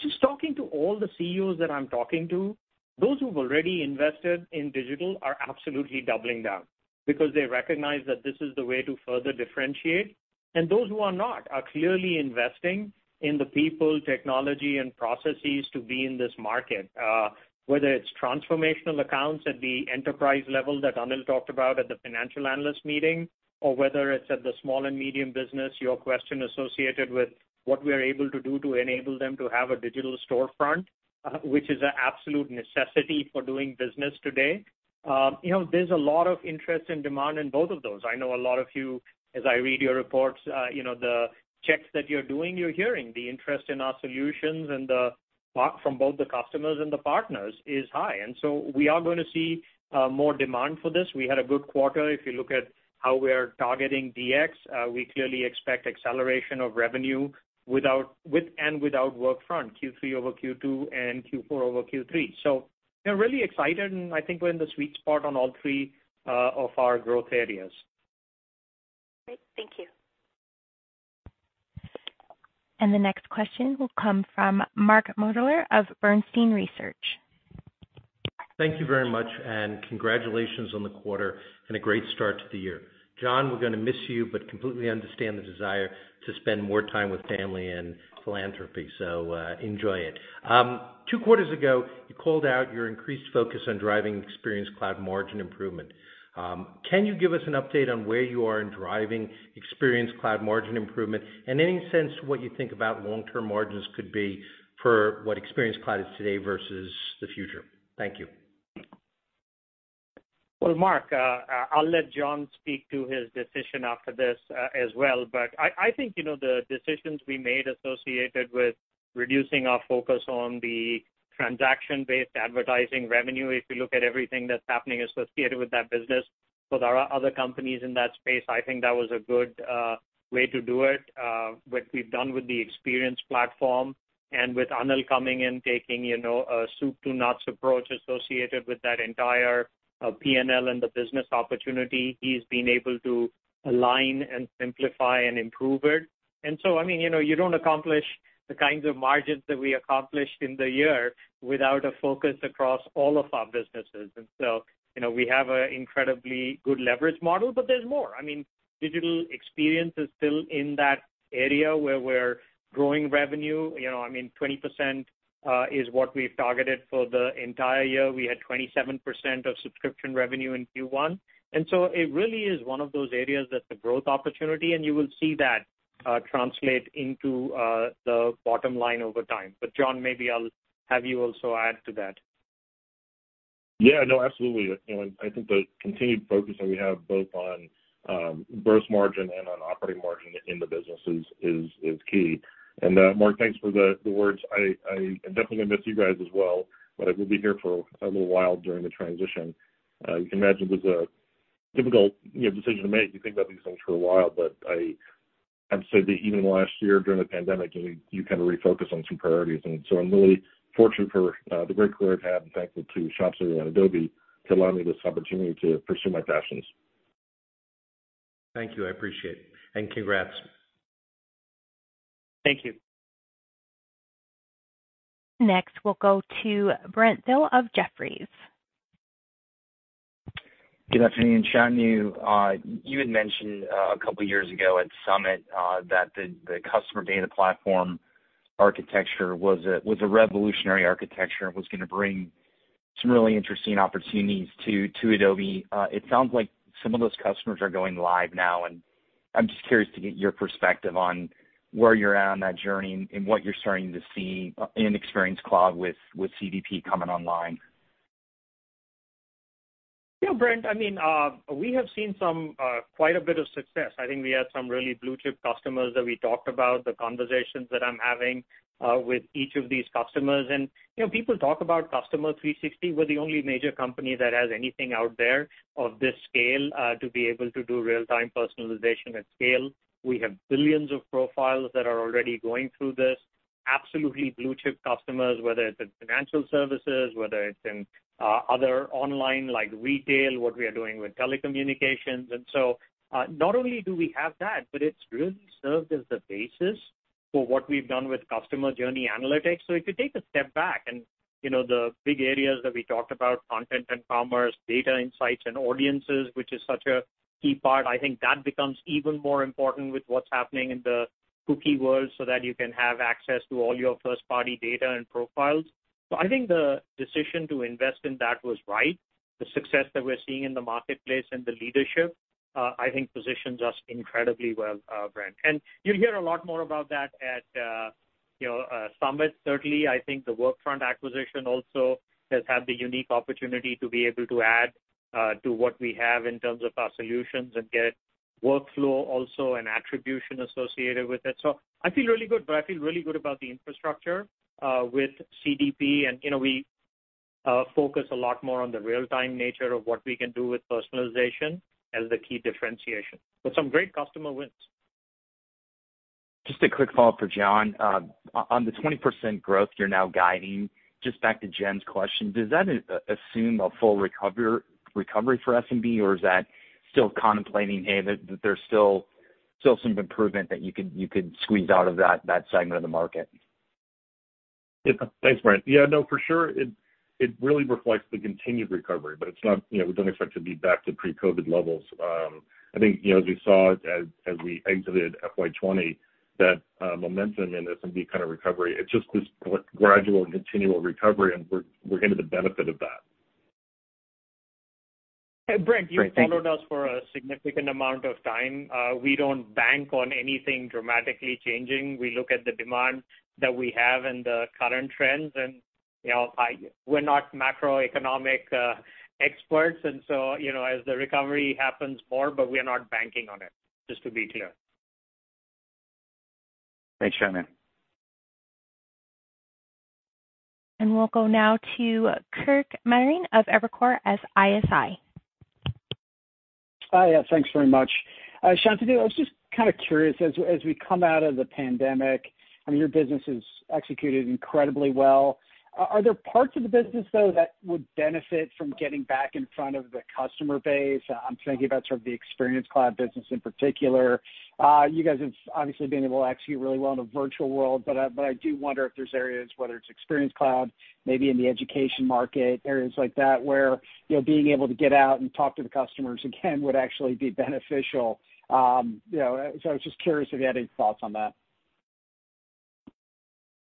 just talking to all the CEOs that I'm talking to, those who've already invested in digital are absolutely doubling down because they recognize that this is the way to further differentiate, and those who are not, are clearly investing in the people, technology, and processes to be in this market. Whether it's transformational accounts at the enterprise level that Anil talked about at the financial analyst meeting, or whether it's at the small and medium business, your question associated with what we are able to do to enable them to have a digital storefront, which is an absolute necessity for doing business today. There's a lot of interest and demand in both of those. I know a lot of you, as I read your reports, the checks that you're doing, you're hearing the interest in our solutions and the part from both the customers and the partners is high. We are going to see more demand for this. We had a good quarter. If you look at how we're targeting DX, we clearly expect acceleration of revenue with and without Workfront, Q3 over Q2 and Q4 over Q3. We're really excited, and I think we're in the sweet spot on all three of our growth areas. Great. Thank you. The next question will come from Mark Moerdler of Bernstein Research. Thank you very much, and congratulations on the quarter and a great start to the year. John, we're going to miss you, but completely understand the desire to spend more time with family and philanthropy. Enjoy it. Two quarters ago, you called out your increased focus on driving Experience Cloud margin improvement. Can you give us an update on where you are in driving Experience Cloud margin improvement? Any sense to what you think about long-term margins could be for what Experience Cloud is today versus the future? Thank you. Mark, I'll let John speak to his decision after this as well, but I think, the decisions we made associated with reducing our focus on the transaction-based advertising revenue, if you look at everything that's happening associated with that business, so there are other companies in that space, I think that was a good way to do it. What we've done with the Experience Platform and with Anil coming in, taking a soup-to-nuts approach associated with that entire P&L and the business opportunity, he's been able to align and simplify and improve it. You don't accomplish the kinds of margins that we accomplished in the year without a focus across all of our businesses. We have an incredibly good leverage model, but there's more. Digital Experience is still in that area where we're growing revenue. 20% is what we've targeted for the entire year. We had 27% of subscription revenue in Q1. It really is one of those areas that's a growth opportunity, and you will see that translate into the bottom line over time. John, maybe I'll have you also add to that. Yeah. No, absolutely. I think the continued focus that we have both on gross margin and on operating margin in the business is key. Mark, thanks for the words. I am definitely going to miss you guys as well, but I will be here for a little while during the transition. You can imagine it was a difficult decision to make. You think about these things for a while, but I have to say that even last year during the pandemic, you kind of refocus on some priorities. I'm really fortunate for the great career I've had and thankful to Shantanu and Adobe to allow me this opportunity to pursue my passions. Thank you. I appreciate it. Congrats. Thank you. Next, we'll go to Brent Thill of Jefferies. Good afternoon, Shantanu. You had mentioned a couple of years ago at Summit, that the customer data platform architecture was a revolutionary architecture and was going to bring some really interesting opportunities to Adobe. It sounds like some of those customers are going live now, and I'm just curious to get your perspective on where you're at on that journey and what you're starting to see in Experience Cloud with CDP coming online. Yeah, Brent, we have seen quite a bit of success. I think we have some really blue-chip customers that we talked about, the conversations that I'm having with each of these customers. People talk about customer 360. We're the only major company that has anything out there of this scale, to be able to do real-time personalization at scale. We have billions of profiles that are already going through this. Absolutely blue-chip customers, whether it's in financial services, whether it's in other online like retail, what we are doing with telecommunications. Not only do we have that, but it's really served as the basis for what we've done with Customer Journey Analytics. If you take a step back and the big areas that we talked about, content and commerce, data insights and audiences, which is such a key part, I think that becomes even more important with what's happening in the cookie world so that you can have access to all your first-party data and profiles. I think the decision to invest in that was right. The success that we're seeing in the marketplace and the leadership, I think positions us incredibly well, Brent. You'll hear a lot more about that at Summit, certainly. I think the Workfront acquisition also has had the unique opportunity to be able to add to what we have in terms of our solutions and get workflow also and attribution associated with it. I feel really good, but I feel really good about the infrastructure with CDP, and we focus a lot more on the real-time nature of what we can do with personalization as the key differentiation. Some great customer wins. Just a quick follow-up for John. On the 20% growth you're now guiding, just back to Jen's question, does that assume a full recovery for SMB, or is that still contemplating, hey, that there's still some improvement that you could squeeze out of that segment of the market? Yeah. Thanks, Brent. Yeah, no, for sure, it really reflects the continued recovery, we don't expect to be back to pre-COVID levels. I think, as we saw as we exited FY 2020, that momentum in SMB kind of recovery, it's just this gradual and continual recovery, we're going to the benefit of that. Great. Thank you. Hey, Brent, you've followed us for a significant amount of time. We don't bank on anything dramatically changing. We look at the demand that we have and the current trends. We're not macroeconomic experts. As the recovery happens more, we are not banking on it, just to be clear. Thanks, Shantanu. We'll go now to Kirk Materne of Evercore ISI. Hi. Yeah, thanks very much. Shantanu, I was just kind of curious, as we come out of the pandemic, I mean, your business has executed incredibly well. Are there parts of the business, though, that would benefit from getting back in front of the customer base? I'm thinking about sort of the Experience Cloud business in particular. You guys have obviously been able to execute really well in a virtual world, but I do wonder if there's areas, whether it's Experience Cloud, maybe in the education market, areas like that where being able to get out and talk to the customers again would actually be beneficial. I was just curious if you had any thoughts on that.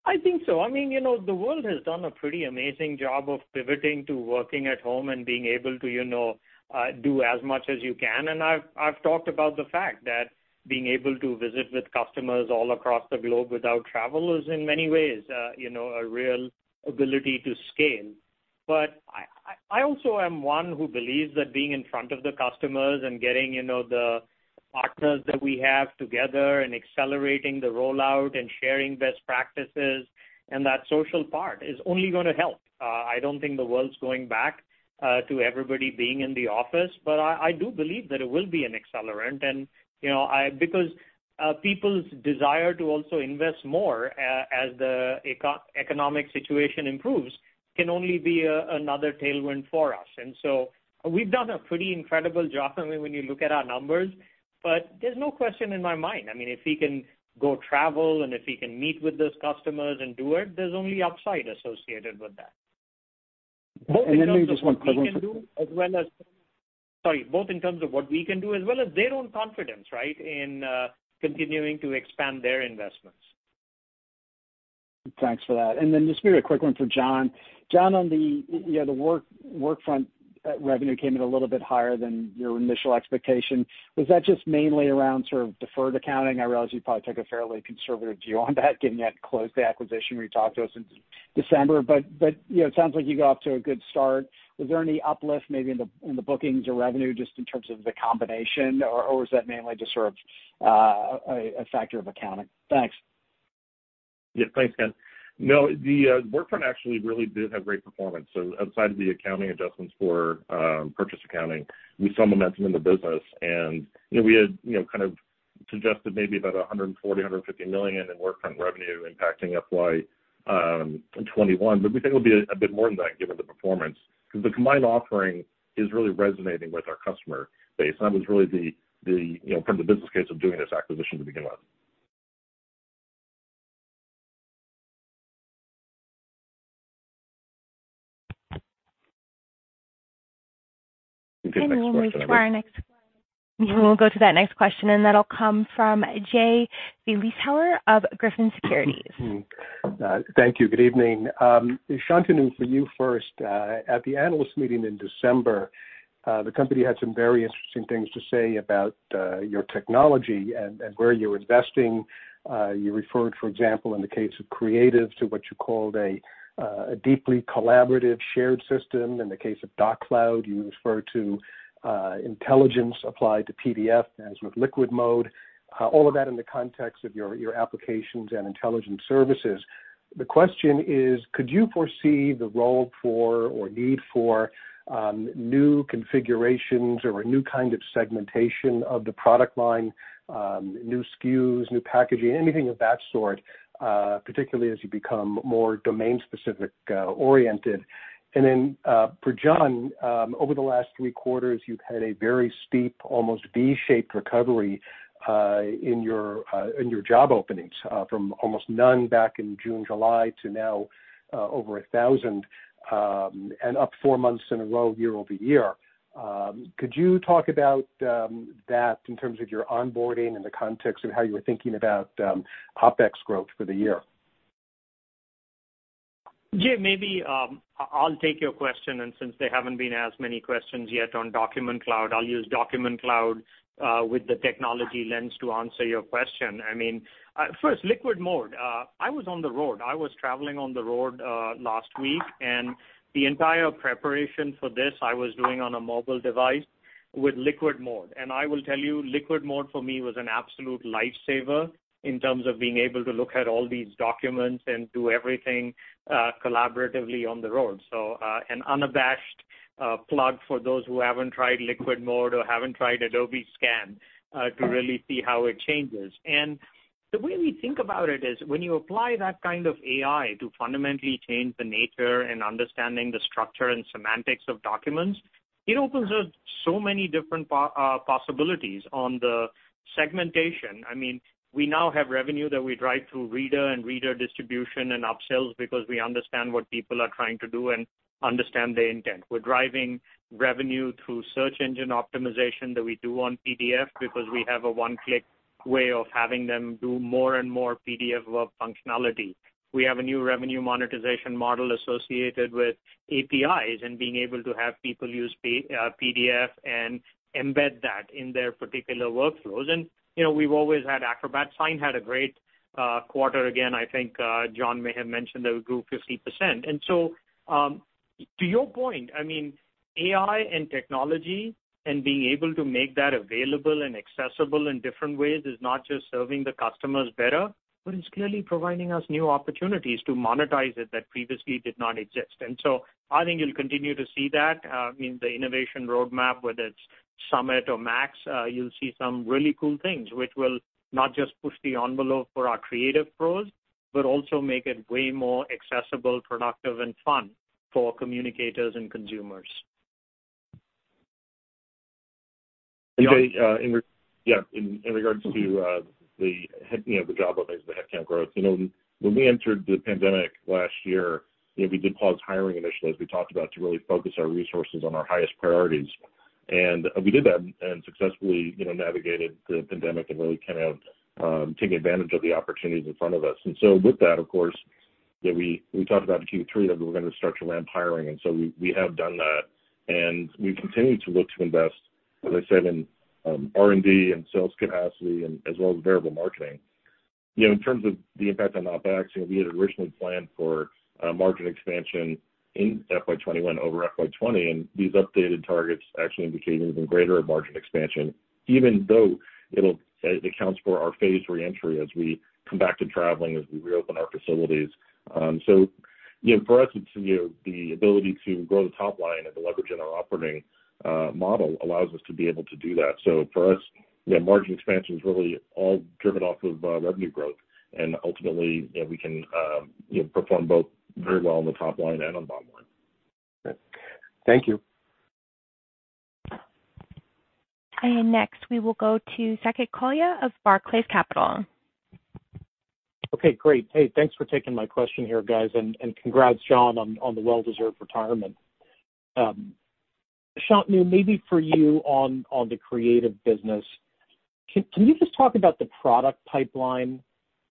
I think so. The world has done a pretty amazing job of pivoting to working at home and being able to do as much as you can, and I've talked about the fact that being able to visit with customers all across the globe without travel is in many ways, a real ability to scale. I also am one who believes that being in front of the customers and getting the partners that we have together and accelerating the rollout and sharing best practices, and that social part is only going to help. I don't think the world's going back to everybody being in the office, but I do believe that it will be an accelerant, and because people's desire to also invest more as the economic situation improves can only be another tailwind for us. We've done a pretty incredible job when you look at our numbers, but there's no question in my mind, if we can go travel and if we can meet with those customers and do it, there's only upside associated with that. Maybe just one quick one- Both in terms of what we can do as well as their own confidence, right, in continuing to expand their investments. Thanks for that. Just maybe a quick one for John. John, on the Workfront revenue came in a little bit higher than your initial expectation. Was that just mainly around sort of deferred accounting? I realize you probably took a fairly conservative view on that, given you hadn't closed the acquisition when you talked to us in December, but it sounds like you got off to a good start. Was there any uplift maybe in the bookings or revenue just in terms of the combination, or was that mainly just sort of a factor of accounting? Thanks. Yeah. Thanks, Kirk. No, the Workfront actually really did have great performance. Outside of the accounting adjustments for purchase accounting, we saw momentum in the business, and we had kind of suggested maybe about $140 million-$150 million in Workfront revenue impacting FY 2021, but we think it'll be a bit more than that given the performance. The combined offering is really resonating with our customer base. That was really the point of the business case of doing this acquisition to begin with. We'll move to our next. I think there's a next question, right? We'll go to that next question, and that'll come from Jay Vleeschhouwer of Griffin Securities. Thank you. Good evening. Shantanu, for you first. At the analyst meeting in December, the company had some very interesting things to say about your technology and where you're investing. You referred, for example, in the case of Creative, to what you called a deeply collaborative shared system. In the case of Doc Cloud, you referred to intelligence applied to PDF, as with Liquid Mode. All of that in the context of your applications and intelligent services. The question is, could you foresee the role for or need for new configurations or a new kind of segmentation of the product line, new SKUs, new packaging, anything of that sort, particularly as you become more domain-specific oriented? For John, over the last three quarters, you've had a very steep, almost V-shaped recovery in your job openings from almost none back in June, July, to now over 1,000, and up four months in a row year-over-year. Could you talk about that in terms of your onboarding and the context of how you were thinking about OpEx growth for the year? Jay, maybe I'll take your question. Since there haven't been as many questions yet on Document Cloud, I'll use Document Cloud with the technology lens to answer your question. First, Liquid Mode. I was on the road. I was traveling on the road last week, and the entire preparation for this I was doing on a mobile device with Liquid Mode. I will tell you, Liquid Mode for me was an absolute lifesaver in terms of being able to look at all these documents and do everything collaboratively on the road. An unabashed plug for those who haven't tried Liquid Mode or haven't tried Adobe Scan to really see how it changes. The way we think about it is when you apply that kind of AI to fundamentally change the nature and understanding the structure and semantics of documents, it opens up so many different possibilities on the segmentation. We now have revenue that we drive through reader and reader distribution and upsells because we understand what people are trying to do and understand their intent. We're driving revenue through search engine optimization that we do on PDF because we have a one-click way of having them do more and more PDF functionality. We have a new revenue monetization model associated with APIs and being able to have people use PDF and embed that in their particular workflows. We've always had Acrobat Sign, had a great quarter again, I think John may have mentioned that we grew 50%. To your point, AI and technology and being able to make that available and accessible in different ways is not just serving the customers better, but it's clearly providing us new opportunities to monetize it that previously did not exist. I think you'll continue to see that in the innovation roadmap, whether it's Summit or MAX, you'll see some really cool things which will not just push the envelope for our creative pros, but also make it way more accessible, productive, and fun for communicators and consumers. Jay, in regards to the job openings, the headcount growth. When we entered the pandemic last year, we did pause hiring initially, as we talked about, to really focus our resources on our highest priorities. We did that and successfully navigated the pandemic and really kind of taking advantage of the opportunities in front of us. With that, of course, we talked about in Q3 that we were going to start to ramp hiring, and so we have done that, and we continue to look to invest, as I said, in R&D and sales capacity and as well as variable marketing. In terms of the impact on OpEx, we had originally planned for margin expansion in FY 2021 over FY 2020, these updated targets actually indicate an even greater margin expansion, even though it accounts for our phased reentry as we come back to traveling, as we reopen our facilities. For us, it's the ability to grow the top line and the leverage in our operating model allows us to be able to do that. For us, margin expansion is really all driven off of revenue growth, ultimately, we can perform both very well on the top line and on the bottom line. Thank you. Next, we will go to Saket Kalia of Barclays Capital. Okay, great. Hey, thanks for taking my question here, guys. Congrats, John, on the well-deserved retirement. Shantanu, maybe for you on the Creative business. Can you just talk about the product pipeline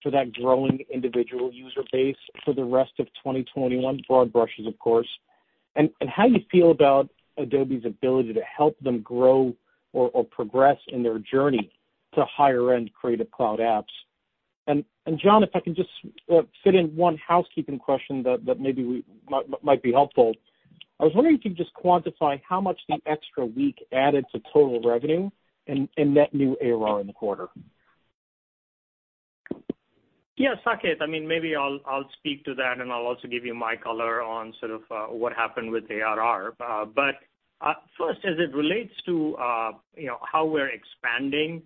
for that growing individual user base for the rest of 2021, broad brushes, of course. How you feel about Adobe's ability to help them grow or progress in their journey to higher-end Creative Cloud apps? John, if I can just fit in one housekeeping question that maybe might be helpful. I was wondering if you could just quantify how much the extra week added to total revenue and net new ARR in the quarter. Yeah, Saket, maybe I'll speak to that, and I'll also give you my color on sort of what happened with the ARR. First, as it relates to how we're expanding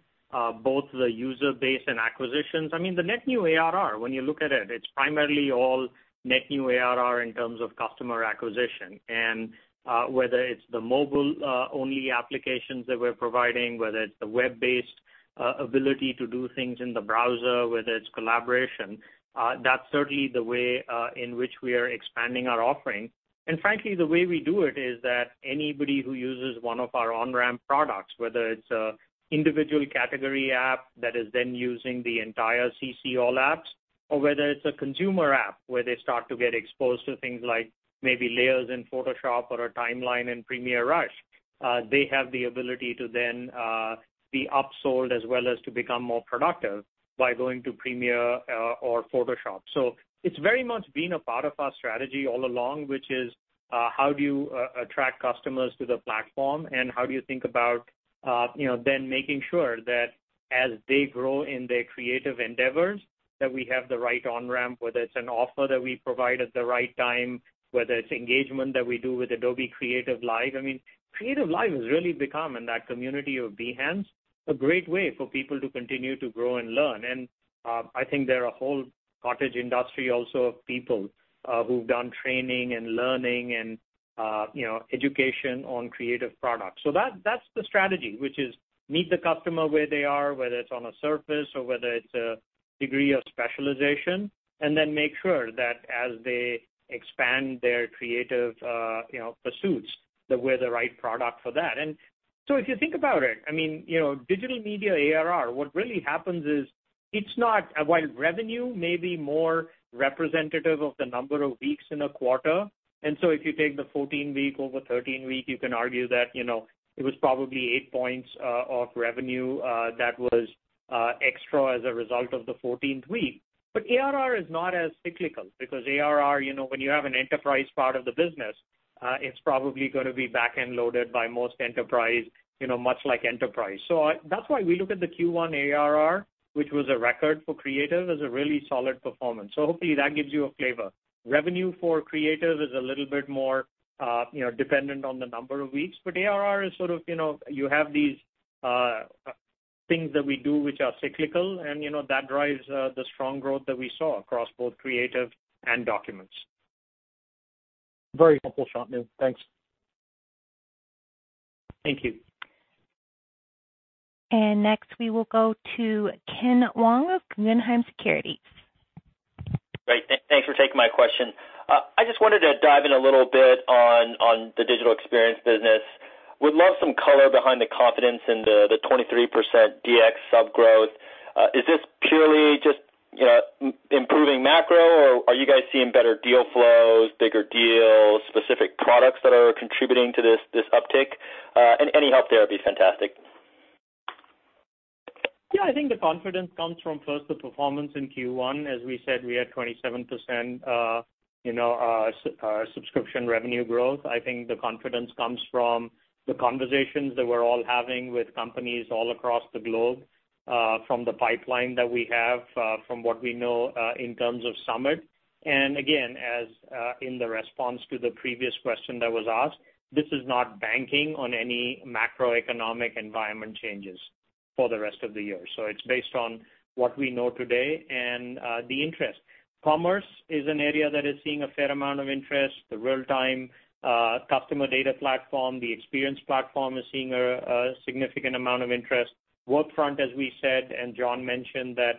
both the user base and acquisitions, the net new ARR, when you look at it's primarily all net new ARR in terms of customer acquisition. Whether it's the mobile-only applications that we're providing, whether it's the web-based ability to do things in the browser, whether it's collaboration, that's certainly the way in which we are expanding our offering. Frankly, the way we do it is that anybody who uses one of our on-ramp products, whether it's an individual category app that is then using the entire CC All apps, or whether it's a consumer app where they start to get exposed to things like maybe layers in Photoshop or a timeline in Premiere Rush, they have the ability to then be upsold as well as to become more productive by going to Premiere or Photoshop. It's very much been a part of our strategy all along, which is how do you attract customers to the platform, and how do you think about then making sure that as they grow in their creative endeavors, that we have the right on-ramp, whether it's an offer that we provide at the right time, whether it's engagement that we do with Adobe Creative Live. Creative Live has really become, in that community of Behance, a great way for people to continue to grow and learn. I think they're a whole cottage industry also of people who've done training and learning and education on creative products. That's the strategy, which is meet the customer where they are, whether it's on a surface or whether it's a degree of specialization, and then make sure that as they expand their creative pursuits, that we're the right product for that. If you think about it, Digital Media ARR, what really happens is. It's not. While revenue may be more representative of the number of weeks in a quarter, if you take the 14-week over 13-week, you can argue that it was probably 8 points of revenue that was extra as a result of the 14th week. ARR is not as cyclical, because ARR, when you have an enterprise part of the business, it's probably going to be back-end loaded by most enterprise, much like enterprise. That's why we look at the Q1 ARR, which was a record for Creative, as a really solid performance. Hopefully, that gives you a flavor. Revenue for Creative is a little bit more dependent on the number of weeks, but ARR is sort of, you have these things that we do which are cyclical, and that drives the strong growth that we saw across both Creative and Documents. Very helpful, Shantanu. Thanks. Thank you. Next, we will go to Ken Wong of Guggenheim Securities. Great. Thanks for taking my question. I just wanted to dive in a little bit on the Digital Experience business. Would love some color behind the confidence in the 23% DX sub growth. Is this purely just improving macro, or are you guys seeing better deal flows, bigger deals, specific products that are contributing to this uptick? Any help there would be fantastic. Yeah, I think the confidence comes from, first, the performance in Q1. As we said, we had 27% subscription revenue growth. I think the confidence comes from the conversations that we're all having with companies all across the globe, from the pipeline that we have, from what we know in terms of Summit. Again, as in the response to the previous question that was asked, this is not banking on any macroeconomic environment changes for the rest of the year. It's based on what we know today and the interest. Commerce is an area that is seeing a fair amount of interest. The Real-Time Customer Data Platform, the Experience Platform is seeing a significant amount of interest. Workfront, as we said, and John mentioned that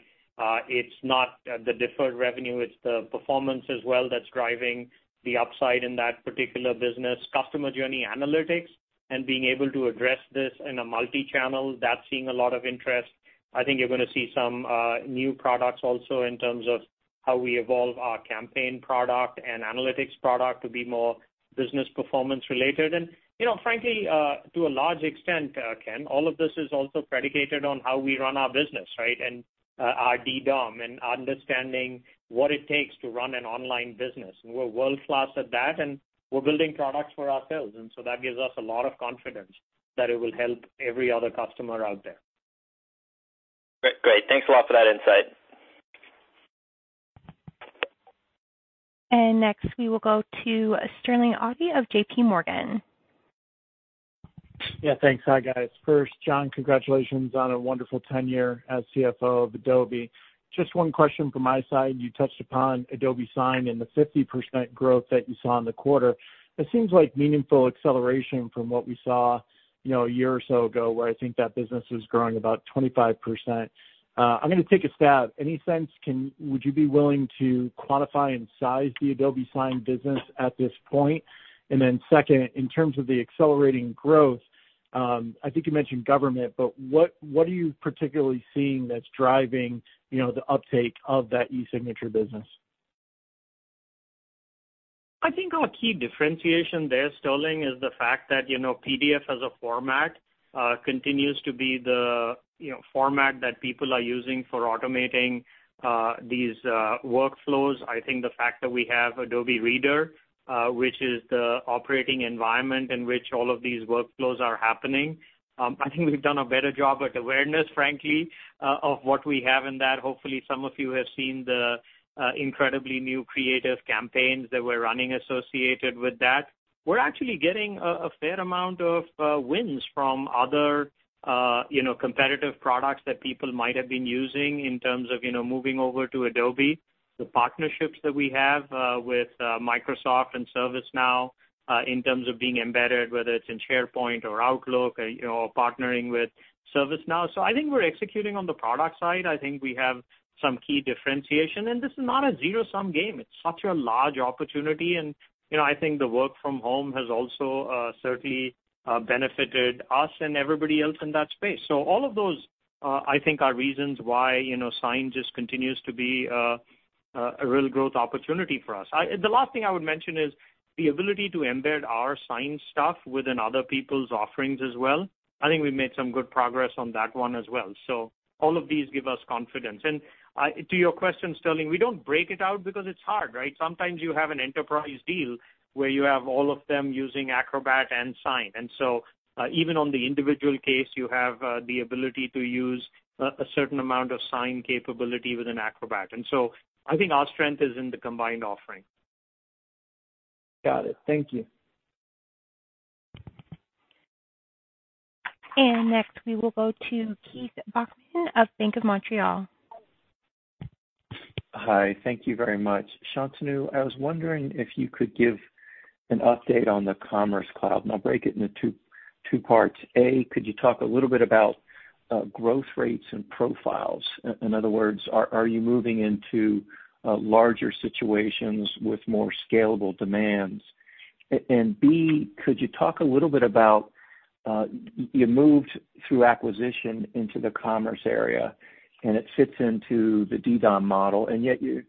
it's not the deferred revenue, it's the performance as well that's driving the upside in that particular business. Customer journey analytics and being able to address this in a multi-channel, that's seeing a lot of interest. I think you're going to see some new products also in terms of how we evolve our campaign product and analytics product to be more business performance related. Frankly, to a large extent, Ken, all of this is also predicated on how we run our business, right, our DDOM and understanding what it takes to run an online business. We're world-class at that, we're building products for ourselves, that gives us a lot of confidence that it will help every other customer out there. Great. Thanks a lot for that insight. Next, we will go to Sterling Auty of JPMorgan. Yeah, thanks. Hi, guys. First, John, congratulations on a wonderful tenure as CFO of Adobe. Just one question from my side. You touched upon Adobe Sign and the 50% growth that you saw in the quarter. It seems like meaningful acceleration from what we saw a year or so ago, where I think that business was growing about 25%. I'm going to take a stab. Any sense, would you be willing to quantify and size the Adobe Sign business at this point? Second, in terms of the accelerating growth, I think you mentioned government, but what are you particularly seeing that's driving the uptake of that e-signature business? I think our key differentiation there, Sterling, is the fact that PDF as a format continues to be the format that people are using for automating these workflows. I think the fact that we have Adobe Reader, which is the operating environment in which all of these workflows are happening. I think we've done a better job at awareness, frankly, of what we have in that. Hopefully, some of you have seen the incredibly new creative campaigns that we're running associated with that. We're actually getting a fair amount of wins from other competitive products that people might have been using in terms of moving over to Adobe. The partnerships that we have with Microsoft and ServiceNow in terms of being embedded, whether it's in SharePoint or Outlook or partnering with ServiceNow. I think we're executing on the product side. I think we have some key differentiation. This is not a zero-sum game. It's such a large opportunity. I think the work from home has also certainly benefited us and everybody else in that space. All of those, I think, are reasons why Sign just continues to be a real growth opportunity for us. The last thing I would mention is the ability to embed our Sign stuff within other people's offerings as well. I think we made some good progress on that one as well. All of these give us confidence. To your question, Sterling, we don't break it out because it's hard, right? Sometimes you have an enterprise deal where you have all of them using Acrobat and Sign. Even on the individual case, you have the ability to use a certain amount of Sign capability within Acrobat. I think our strength is in the combined offering. Got it. Thank you. Next, we will go to Keith Bachman of Bank of Montreal. Hi. Thank you very much. Shantanu, I was wondering if you could give an update on the Commerce Cloud, and I'll break it into two parts. A, could you talk a little bit about growth rates and profiles? In other words, are you moving into larger situations with more scalable demands? And B, could you talk a little bit about, you moved through acquisition into the commerce area, and it fits into the DDOM model, and yet you're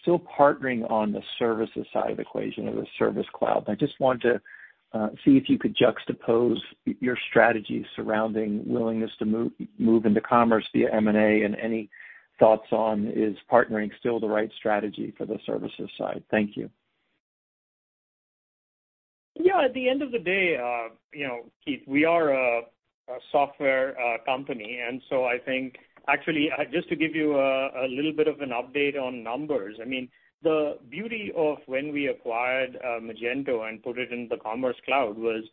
still partnering on the services side of the equation or the service cloud. I just wanted to see if you could juxtapose your strategy surrounding willingness to move into commerce via M&A, and any thoughts on, is partnering still the right strategy for the services side? Thank you. Yeah. At the end of the day, Keith, we are a software company, and so I think Actually, just to give you a little bit of an update on numbers. I mean, the beauty of when we acquired Magento and put it in the Commerce Cloud was,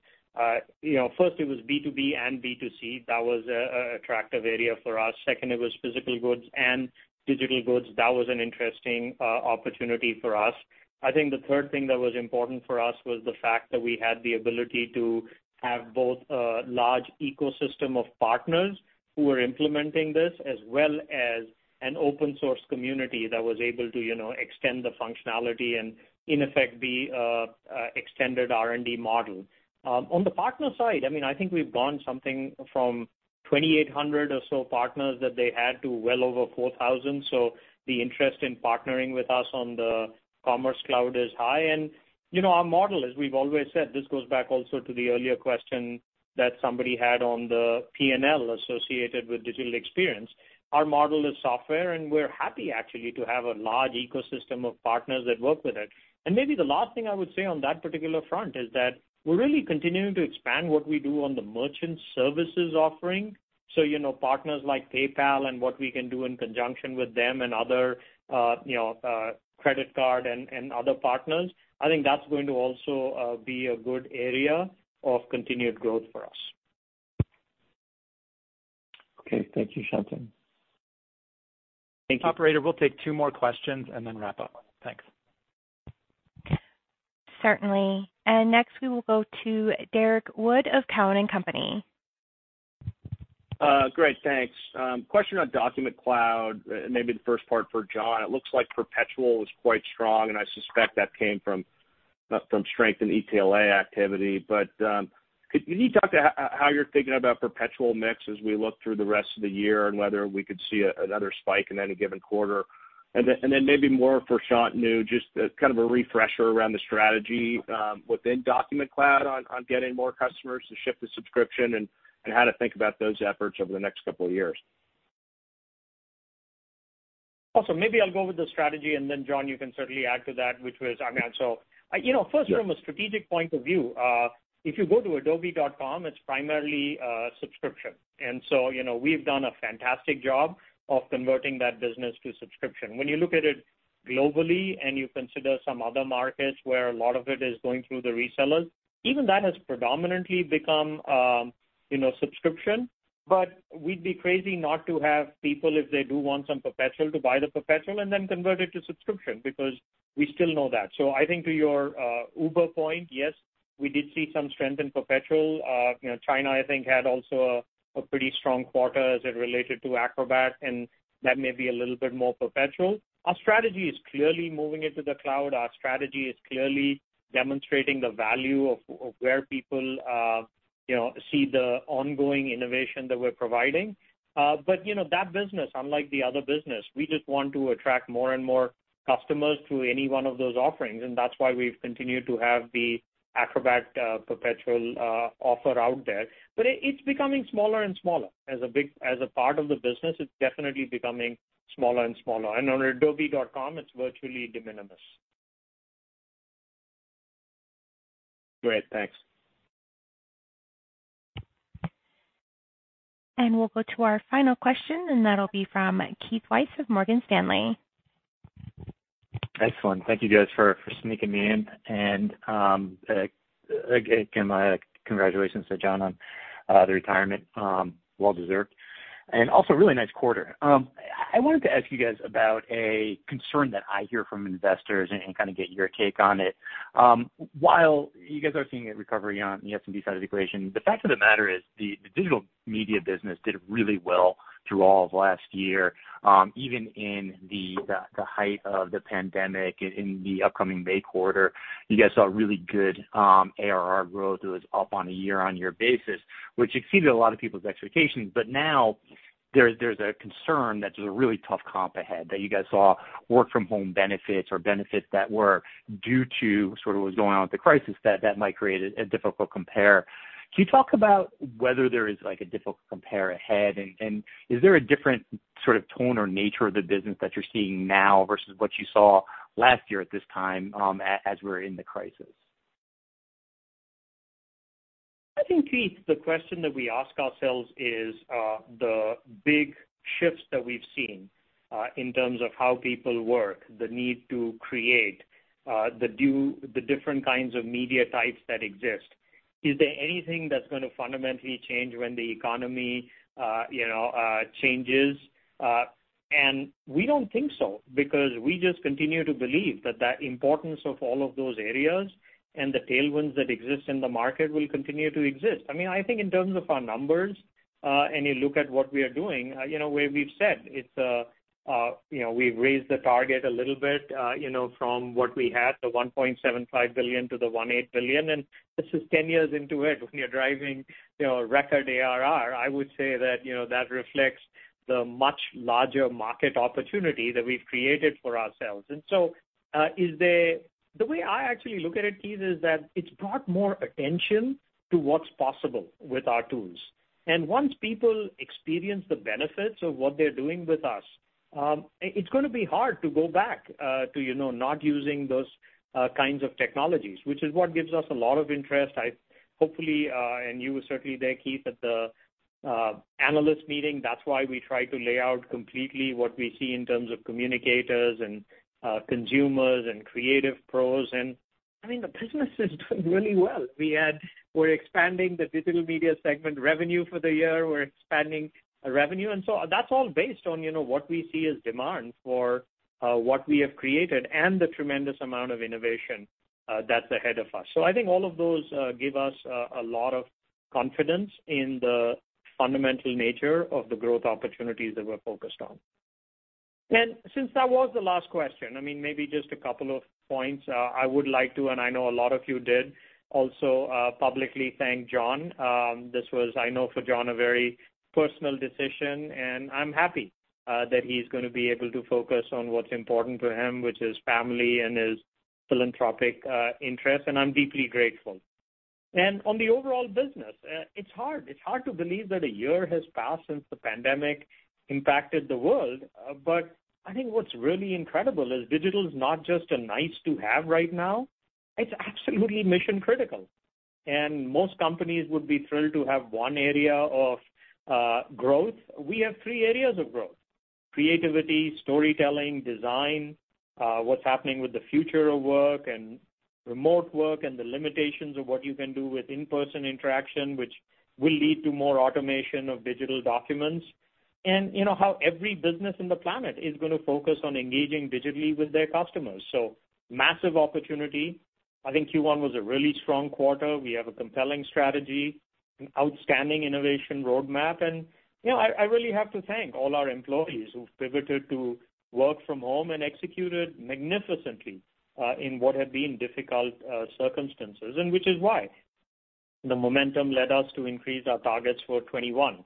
first it was B2B and B2C. That was an attractive area for us. Second, it was physical goods and digital goods. That was an interesting opportunity for us. I think the third thing that was important for us was the fact that we had the ability to have both a large ecosystem of partners who were implementing this, as well as an open source community that was able to extend the functionality and in effect be extended R&D model. On the partner side, I think we've gone something from 2,800 or so partners that they had to well over 4,000. The interest in partnering with us on the Commerce Cloud is high. Our model, as we've always said, this goes back also to the earlier question that somebody had on the P&L associated with digital experience. Our model is software, and we're happy actually to have a large ecosystem of partners that work with it. Maybe the last thing I would say on that particular front is that we're really continuing to expand what we do on the merchant services offering. Partners like PayPal and what we can do in conjunction with them and other credit card and other partners. I think that's going to also be a good area of continued growth for us. Okay. Thank you, Shantanu. Thank you. Operator, we'll take two more questions and then wrap up. Thanks. Certainly. Next we will go to Derrick Wood of Cowen and Company. Great, thanks. Question on Document Cloud, maybe the first part for John. It looks like perpetual was quite strong. I suspect that came from strength in ETLA activity. Can you talk to how you're thinking about perpetual mix as we look through the rest of the year, whether we could see another spike in any given quarter? Maybe more for Shantanu, just kind of a refresher around the strategy within Document Cloud on getting more customers to shift to subscription, how to think about those efforts over the next couple of years. Awesome. Maybe I'll go over the strategy. John, you can certainly add to that. First from a strategic point of view, if you go to adobe.com, it's primarily subscription. We've done a fantastic job of converting that business to subscription. When you look at it globally and you consider some other markets where a lot of it is going through the resellers, even that has predominantly become subscription. We'd be crazy not to have people, if they do want some perpetual, to buy the perpetual and then convert it to subscription, because we still know that. I think to your uber point, yes, we did see some strength in perpetual. China, I think, had also a pretty strong quarter as it related to Acrobat. That may be a little bit more perpetual. Our strategy is clearly moving into the cloud. Our strategy is clearly demonstrating the value of where people see the ongoing innovation that we're providing. That business, unlike the other business, we just want to attract more and more customers to any one of those offerings, and that's why we've continued to have the Acrobat perpetual offer out there. It's becoming smaller and smaller as a part of the business. It's definitely becoming smaller and smaller. On adobe.com, it's virtually de minimis. Great. Thanks. We'll go to our final question, and that'll be from Keith Weiss of Morgan Stanley. Excellent. Thank you guys for sneaking me in. Again, my congratulations to John on the retirement. Well deserved. Also, really nice quarter. I wanted to ask you guys about a concern that I hear from investors and kind of get your take on it. While you guys are seeing a recovery on the SMB side of the equation, the fact of the matter is the Digital Media business did really well through all of last year, even in the height of the pandemic. In the upcoming May quarter, you guys saw really good ARR growth. It was up on a year-on-year basis, which exceeded a lot of people's expectations. Now there's a concern that there's a really tough comp ahead, that you guys saw work from home benefits or benefits that were due to sort of what was going on with the crisis that might create a difficult compare. Can you talk about whether there is a difficult compare ahead, and is there a different sort of tone or nature of the business that you're seeing now versus what you saw last year at this time as we were in the crisis? I think, Keith, the question that we ask ourselves is, the big shifts that we've seen, in terms of how people work, the need to create, the different kinds of media types that exist, is there anything that's going to fundamentally change when the economy changes? We don't think so, because we just continue to believe that the importance of all of those areas and the tailwinds that exist in the market will continue to exist. I think in terms of our numbers. You look at what we are doing, where we've said, we've raised the target a little bit from what we had, the $1.75 billion to the $1.8 billion. This is 10 years into it, when you're driving record ARR, I would say that reflects the much larger market opportunity that we've created for ourselves. The way I actually look at it, Keith, is that it's brought more attention to what's possible with our tools. Once people experience the benefits of what they're doing with us, it's going to be hard to go back to not using those kinds of technologies, which is what gives us a lot of interest. Hopefully, and you were certainly there, Keith, at the analyst meeting, that's why we try to lay out completely what we see in terms of communicators and consumers and creative pros. I mean, the business is doing really well. We're expanding the Digital Media segment revenue for the year. We're expanding revenue. That's all based on what we see as demand for what we have created and the tremendous amount of innovation that's ahead of us. I think all of those give us a lot of confidence in the fundamental nature of the growth opportunities that we're focused on. Since that was the last question, maybe just a couple of points. I would like to, and I know a lot of you did also, publicly thank John. This was, I know for John, a very personal decision, and I'm happy that he's going to be able to focus on what's important to him, which is family and his philanthropic interests, and I'm deeply grateful. On the overall business, it's hard to believe that a year has passed since the pandemic impacted the world. I think what's really incredible is digital is not just a nice-to-have right now. It's absolutely mission-critical. Most companies would be thrilled to have one area of growth. We have three areas of growth: creativity, storytelling, design, what's happening with the future of work and remote work, and the limitations of what you can do with in-person interaction, which will lead to more automation of digital documents. How every business in the planet is going to focus on engaging digitally with their customers. Massive opportunity. I think Q1 was a really strong quarter. We have a compelling strategy, an outstanding innovation roadmap, and I really have to thank all our employees who've pivoted to work from home and executed magnificently, in what have been difficult circumstances, and which is why the momentum led us to increase our targets for 2021.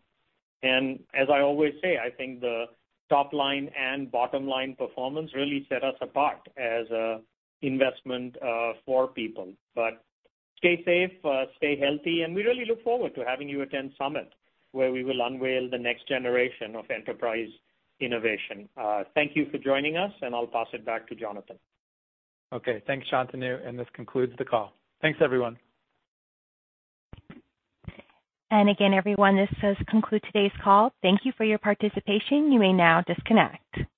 As I always say, I think the top line and bottom-line performance really set us apart as an investment for people. Stay safe, stay healthy, and we really look forward to having you attend Summit, where we will unveil the next generation of enterprise innovation. Thank you for joining us, and I'll pass it back to Jonathan. Okay. Thanks, Shantanu. This concludes the call. Thanks, everyone. Again, everyone, this does conclude today's call. Thank you for your participation. You may now disconnect.